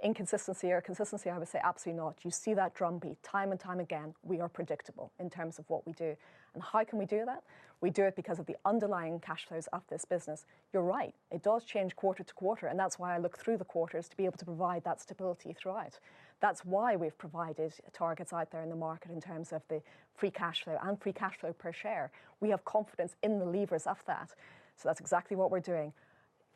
inconsistency or consistency, I would say absolutely not. You see that drumbeat time and time again. We are predictable in terms of what we do. How can we do that? We do it because of the underlying cash flows of this business. You're right. It does change quarter to quarter. That's why I look through the quarters to be able to provide that stability throughout. That's why we've provided targets out there in the market in terms of the free cash flow and free cash flow per share. We have confidence in the levers of that. So that's exactly what we're doing.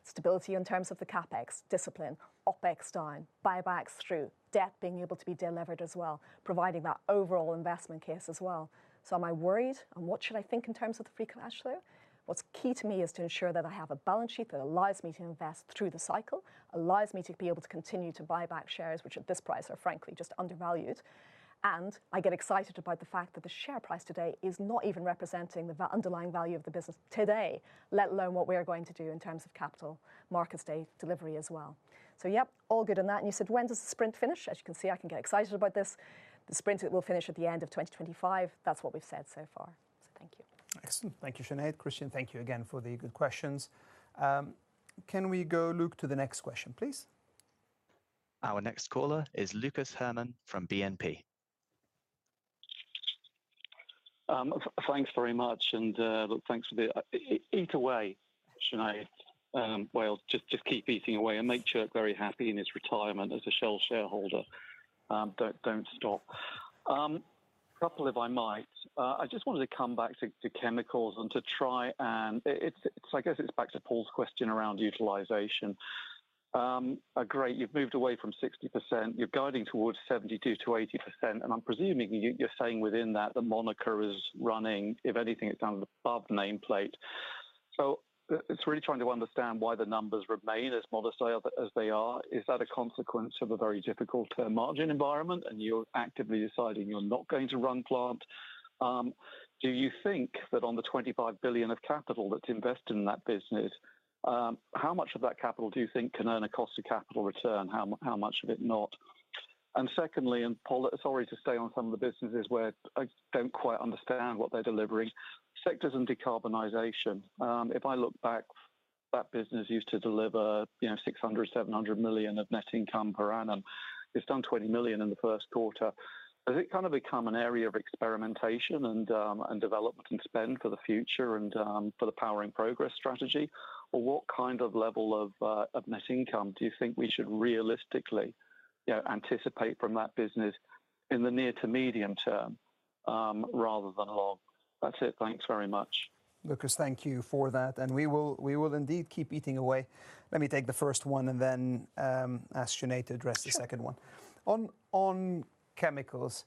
Stability in terms of the CapEx, discipline, OPEX down, buybacks through, debt being able to be delivered as well, providing that overall investment case as well. So am I worried? And what should I think in terms of the free cash flow? What's key to me is to ensure that I have a balance sheet that allows me to invest through the cycle, allows me to be able to continue to buy back shares, which at this price are, frankly, just undervalued. I get excited about the fact that the share price today is not even representing the underlying value of the business today, let alone what we are going to do in terms of Capital Markets Day delivery as well. So yeah, all good on that. You said, when does the sprint finish? As you can see, I can get excited about this. The sprint will finish at the end of 2025. That's what we've said so far. So thank you. Excellent. Thank you, Sinéad. Christyan, thank you again for the good questions. Can we go, Lucas, to the next question, please? Our next caller is Lucas Herrmann from BNP. Thanks very much. And thanks for the ETA, Sinéad. Well, just keep eating away and make Tjerk very happy in his retirement as a Shell shareholder. Don't stop. Couple, if I might. I just wanted to come back to chemicals and to try and I guess it's back to Paul's question around utilization. Great. You've moved away from 60%. You're guiding towards 72%-80%. And I'm presuming you're saying within that the Monaca is running, if anything, it's down to the below nameplate. So it's really trying to understand why the numbers remain as modest as they are. Is that a consequence of a very difficult margin environment? And you're actively deciding you're not going to run plant. Do you think that on the $25 billion of capital that's invested in that business, how much of that capital do you think can earn a cost of capital return, how much of it not? Secondly, sorry to stay on some of the businesses where I don't quite understand what they're delivering, Sectors and Decarbonization. If I look back, that business used to deliver $600 million-$700 million of net income per annum. It's done $20 million in the first quarter. Has it kind of become an area of experimentation and development and spend for the future and for the Powering Progress strategy? Or what kind of level of net income do you think we should realistically anticipate from that business in the near to medium term rather than long? That's it. Thanks very much. Lucas, thank you for that. And we will indeed keep eating away. Let me take the first one and then ask Sinéad to address the second one. On chemicals,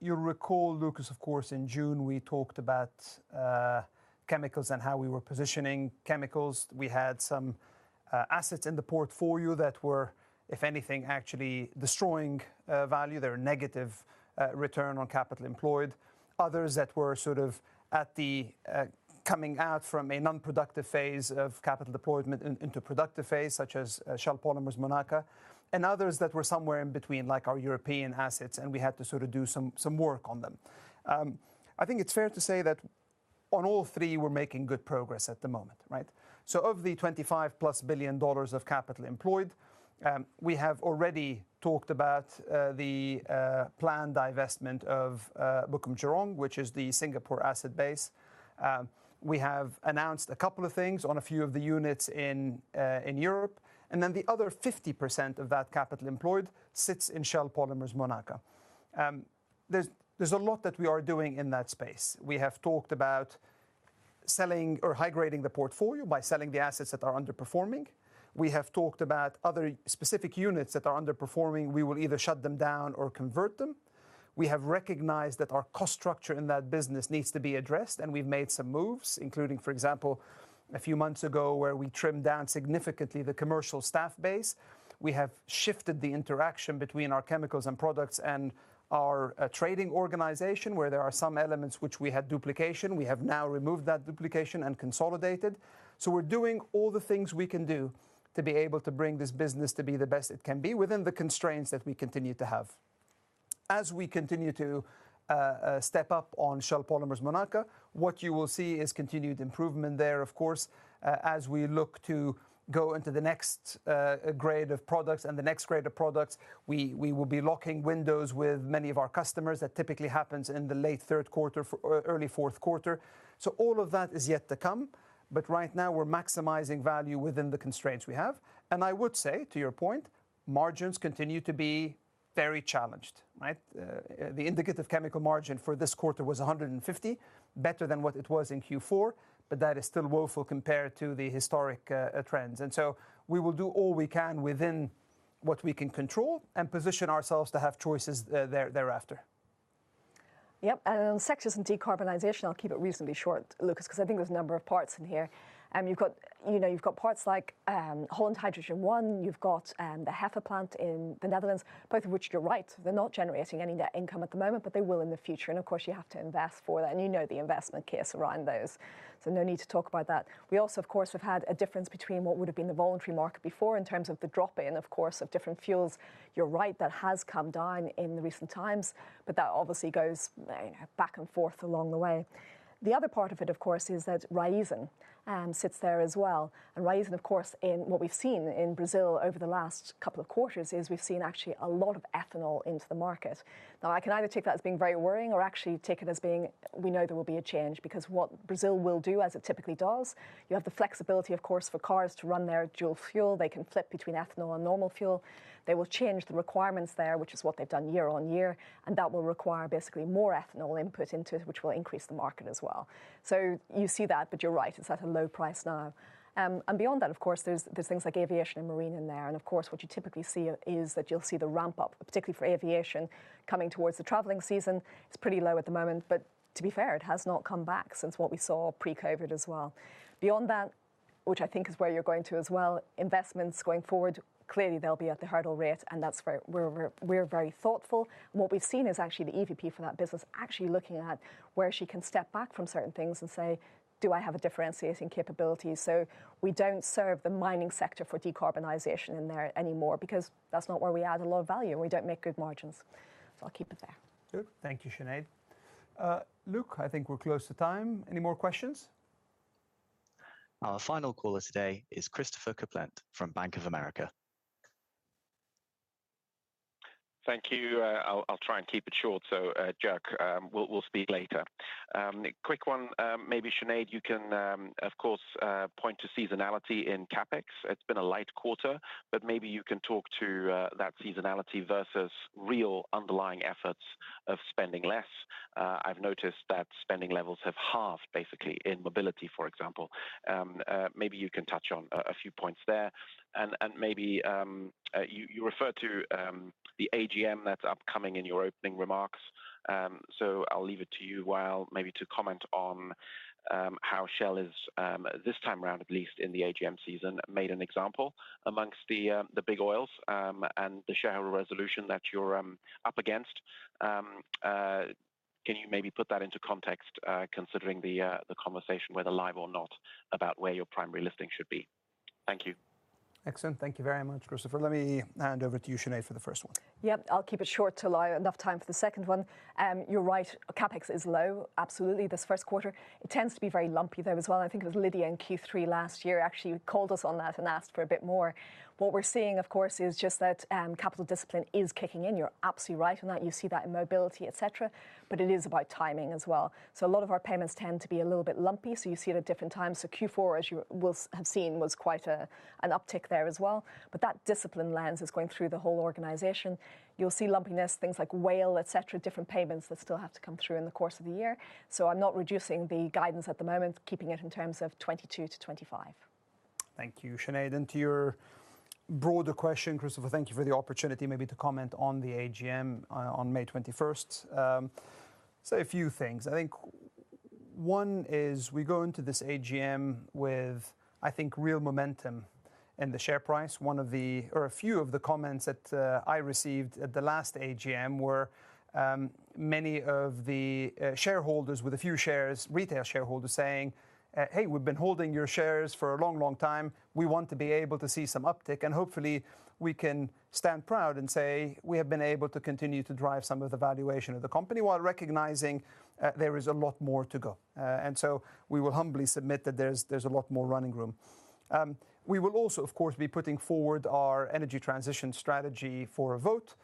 you'll recall, Lucas, of course, in June, we talked about chemicals and how we were positioning chemicals. We had some assets in the portfolio that were, if anything, actually destroying value. They were negative return on capital employed, others that were sort of coming out from a nonproductive phase of capital deployment into productive phase, such as Shell Polymers Monaca, and others that were somewhere in between, like our European assets. And we had to sort of do some work on them. I think it's fair to say that on all three, we're making good progress at the moment, right? So of the $25+ billion of capital employed, we have already talked about the planned divestment of Pulau Bukom, which is the Singapore asset base. We have announced a couple of things on a few of the units in Europe. And then the other 50% of that capital employed sits in Shell Polymers Monaca. There's a lot that we are doing in that space. We have talked about selling or hybridizing the portfolio by selling the assets that are underperforming. We have talked about other specific units that are underperforming. We will either shut them down or convert them. We have recognized that our cost structure in that business needs to be addressed. And we've made some moves, including, for example, a few months ago where we trimmed down significantly the commercial staff base. We have shifted the interaction between our chemicals and products and our trading organization, where there are some elements which we had duplication. We have now removed that duplication and consolidated. So we're doing all the things we can do to be able to bring this business to be the best it can be within the constraints that we continue to have. As we continue to step up on Shell Polymers Monaca, what you will see is continued improvement there, of course, as we look to go into the next grade of products and the next grade of products. We will be locking windows with many of our customers. That typically happens in the late third quarter, early fourth quarter. So all of that is yet to come. But right now, we're maximizing value within the constraints we have. I would say, to your point, margins continue to be very challenged, right? The indicative chemical margin for this quarter was 150, better than what it was in Q4. But that is still woeful compared to the historic trends. And so we will do all we can within what we can control and position ourselves to have choices thereafter. Yep. And on Sectors and Decarbonization, I'll keep it reasonably short, Lucas, because I think there's a number of parts in here. You've got parts like Holland Hydrogen I. You've got the HEFA plant in the Netherlands, both of which you're right. They're not generating any net income at the moment, but they will in the future. And of course, you have to invest for that. And you know the investment case around those. So no need to talk about that. We also, of course, have had a difference between what would have been the voluntary market before in terms of the drop-in, of course, of different fuels. You're right. That has come down in the recent times. But that obviously goes back and forth along the way. The other part of it, of course, is that Raízen sits there as well. And Raízen, of course, in what we've seen in Brazil over the last couple of quarters is we've seen actually a lot of ethanol into the market. Now, I can either take that as being very worrying or actually take it as being we know there will be a change because what Brazil will do, as it typically does, you have the flexibility, of course, for cars to run their dual fuel. They can flip between ethanol and normal fuel. They will change the requirements there, which is what they've done year-on-year. And that will require basically more ethanol input into, which will increase the market as well. So you see that. But you're right. It's at a low price now. And beyond that, of course, there's things like aviation and marine in there. Of course, what you typically see is that you'll see the ramp-up, particularly for aviation, coming towards the traveling season. It's pretty low at the moment. But to be fair, it has not come back since what we saw pre-COVID as well. Beyond that, which I think is where you're going to as well, investments going forward, clearly, they'll be at the hurdle rate. And that's where we're very thoughtful. And what we've seen is actually the EVP for that business actually looking at where she can step back from certain things and say, do I have a differentiating capability? So we don't serve the mining sector for decarbonization in there anymore because that's not where we add a lot of value. And we don't make good margins. So I'll keep it there. Good. Thank you, Sinéad. Lucas, I think we're close to time. Any more questions? Our final caller today is Christopher Kuplent from Bank of America. Thank you. I'll try and keep it short. So Tjerk, we'll speak later. Quick one, maybe, Sinéad. You can, of course, point to seasonality in CapEx. It's been a light quarter. But maybe you can talk to that seasonality versus real underlying efforts of spending less. I've noticed that spending levels have halved, basically, in mobility, for example. Maybe you can touch on a few points there. And maybe you referred to the AGM that's upcoming in your opening remarks. So I'll leave it to you while maybe to comment on how Shell has, this time around at least in the AGM season, made an example amongst the big oils and the shareholder resolution that you're up against. Can you maybe put that into context, considering the conversation, whether live or not, about where your primary listing should be? Thank you. Excellent. Thank you very much, Christopher. Let me hand over to you, Sinéad, for the first one. Yep. I'll keep it short to allow enough time for the second one. You're right. CapEx is low, absolutely, this first quarter. It tends to be very lumpy, though, as well. I think it was Lydia in Q3 last year actually called us on that and asked for a bit more. What we're seeing, of course, is just that capital discipline is kicking in. You're absolutely right on that. You see that in mobility, et cetera. But it is about timing as well. So a lot of our payments tend to be a little bit lumpy. So you see it at different times. So Q4, as you will have seen, was quite an uptick there as well. But that discipline lens is going through the whole organization. You'll see lumpiness, things like Wael, et cetera, different payments that still have to come through in the course of the year. I'm not reducing the guidance at the moment, keeping it in terms of 2022-2025. Thank you, Sinéad. To your broader question, Christopher, thank you for the opportunity maybe to comment on the AGM on May 21st. Say a few things. I think one is we go into this AGM with, I think, real momentum in the share price. One of the or a few of the comments that I received at the last AGM were many of the shareholders with a few shares, retail shareholders, saying, hey, we've been holding your shares for a long, long time. We want to be able to see some uptick. And hopefully, we can stand proud and say we have been able to continue to drive some of the valuation of the company while recognizing there is a lot more to go. And so we will humbly submit that there's a lot more running room. We will also, of course, be putting forward our energy transition strategy for a vote,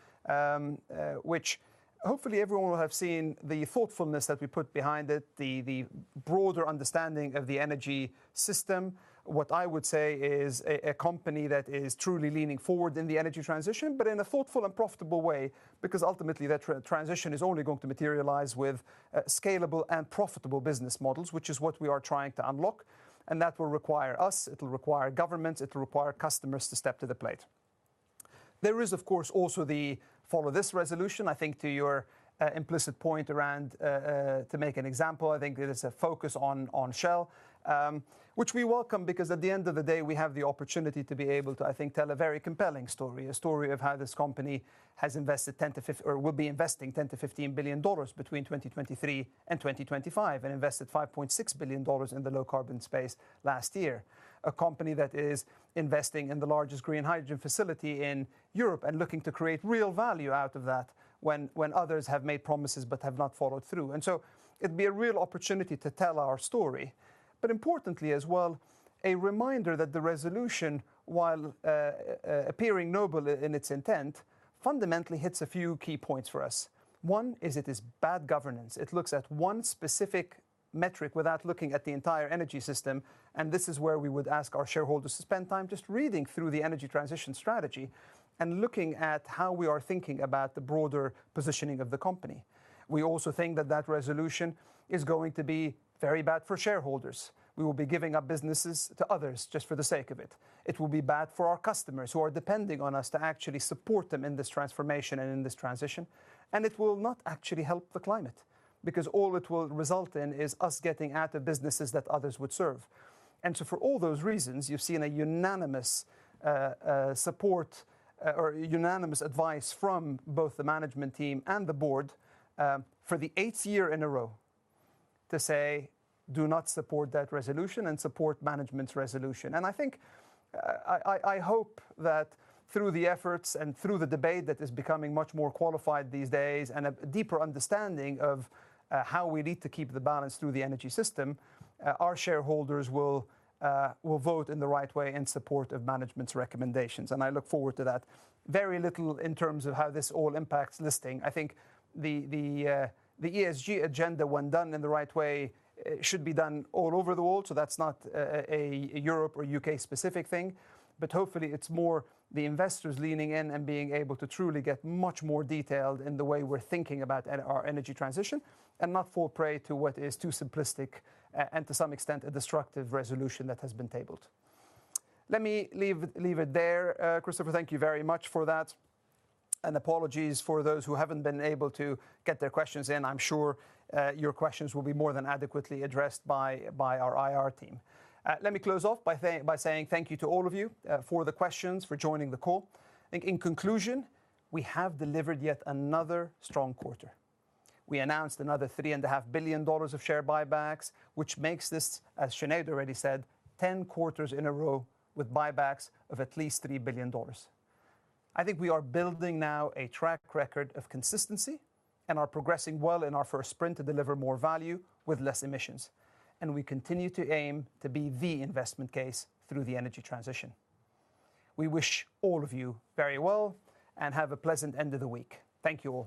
which hopefully, everyone will have seen the thoughtfulness that we put behind it, the broader understanding of the energy system. What I would say is a company that is truly leaning forward in the energy transition, but in a thoughtful and profitable way because ultimately, that transition is only going to materialize with scalable and profitable business models, which is what we are trying to unlock. And that will require us. It'll require governments. It'll require customers to step to the plate. There is, of course, also the following resolution, I think, to your implicit point around to make an example. I think there's a focus on Shell, which we welcome because at the end of the day, we have the opportunity to be able to, I think, tell a very compelling story, a story of how this company has invested $10-$15 billion between 2023 and 2025 and invested $5.6 billion in the low-carbon space last year, a company that is investing in the largest green hydrogen facility in Europe and looking to create real value out of that when others have made promises but have not followed through. So it'd be a real opportunity to tell our story. But importantly as well, a reminder that the resolution, while appearing noble in its intent, fundamentally hits a few key points for us. One is it is bad governance. It looks at one specific metric without looking at the entire energy system. This is where we would ask our shareholders to spend time just reading through the energy transition strategy and looking at how we are thinking about the broader positioning of the company. We also think that that resolution is going to be very bad for shareholders. We will be giving up businesses to others just for the sake of it. It will be bad for our customers who are depending on us to actually support them in this transformation and in this transition. It will not actually help the climate because all it will result in is us getting out of businesses that others would serve. So for all those reasons, you've seen a unanimous support or unanimous advice from both the management team and the board for the eighth year in a row to say, do not support that resolution and support management's resolution. And I think I hope that through the efforts and through the debate that is becoming much more qualified these days and a deeper understanding of how we need to keep the balance through the energy system, our shareholders will vote in the right way in support of management's recommendations. And I look forward to that. Very little in terms of how this all impacts listing. I think the ESG agenda, when done in the right way, should be done all over the world. So that's not a Europe or UK-specific thing. But hopefully, it's more the investors leaning in and being able to truly get much more detailed in the way we're thinking about our energy transition and not fall prey to what is too simplistic and to some extent a destructive resolution that has been tabled. Let me leave it there, Christopher. Thank you very much for that. Apologies for those who haven't been able to get their questions in. I'm sure your questions will be more than adequately addressed by our IR team. Let me close off by saying thank you to all of you for the questions, for joining the call. In conclusion, we have delivered yet another strong quarter. We announced another $3.5 billion of share buybacks, which makes this, as Sinéad already said, 10 quarters in a row with buybacks of at least $3 billion. I think we are building now a track record of consistency and are progressing well in our first sprint to deliver more value with less emissions. And we continue to aim to be the investment case through the energy transition. We wish all of you very well and have a pleasant end of the week. Thank you all.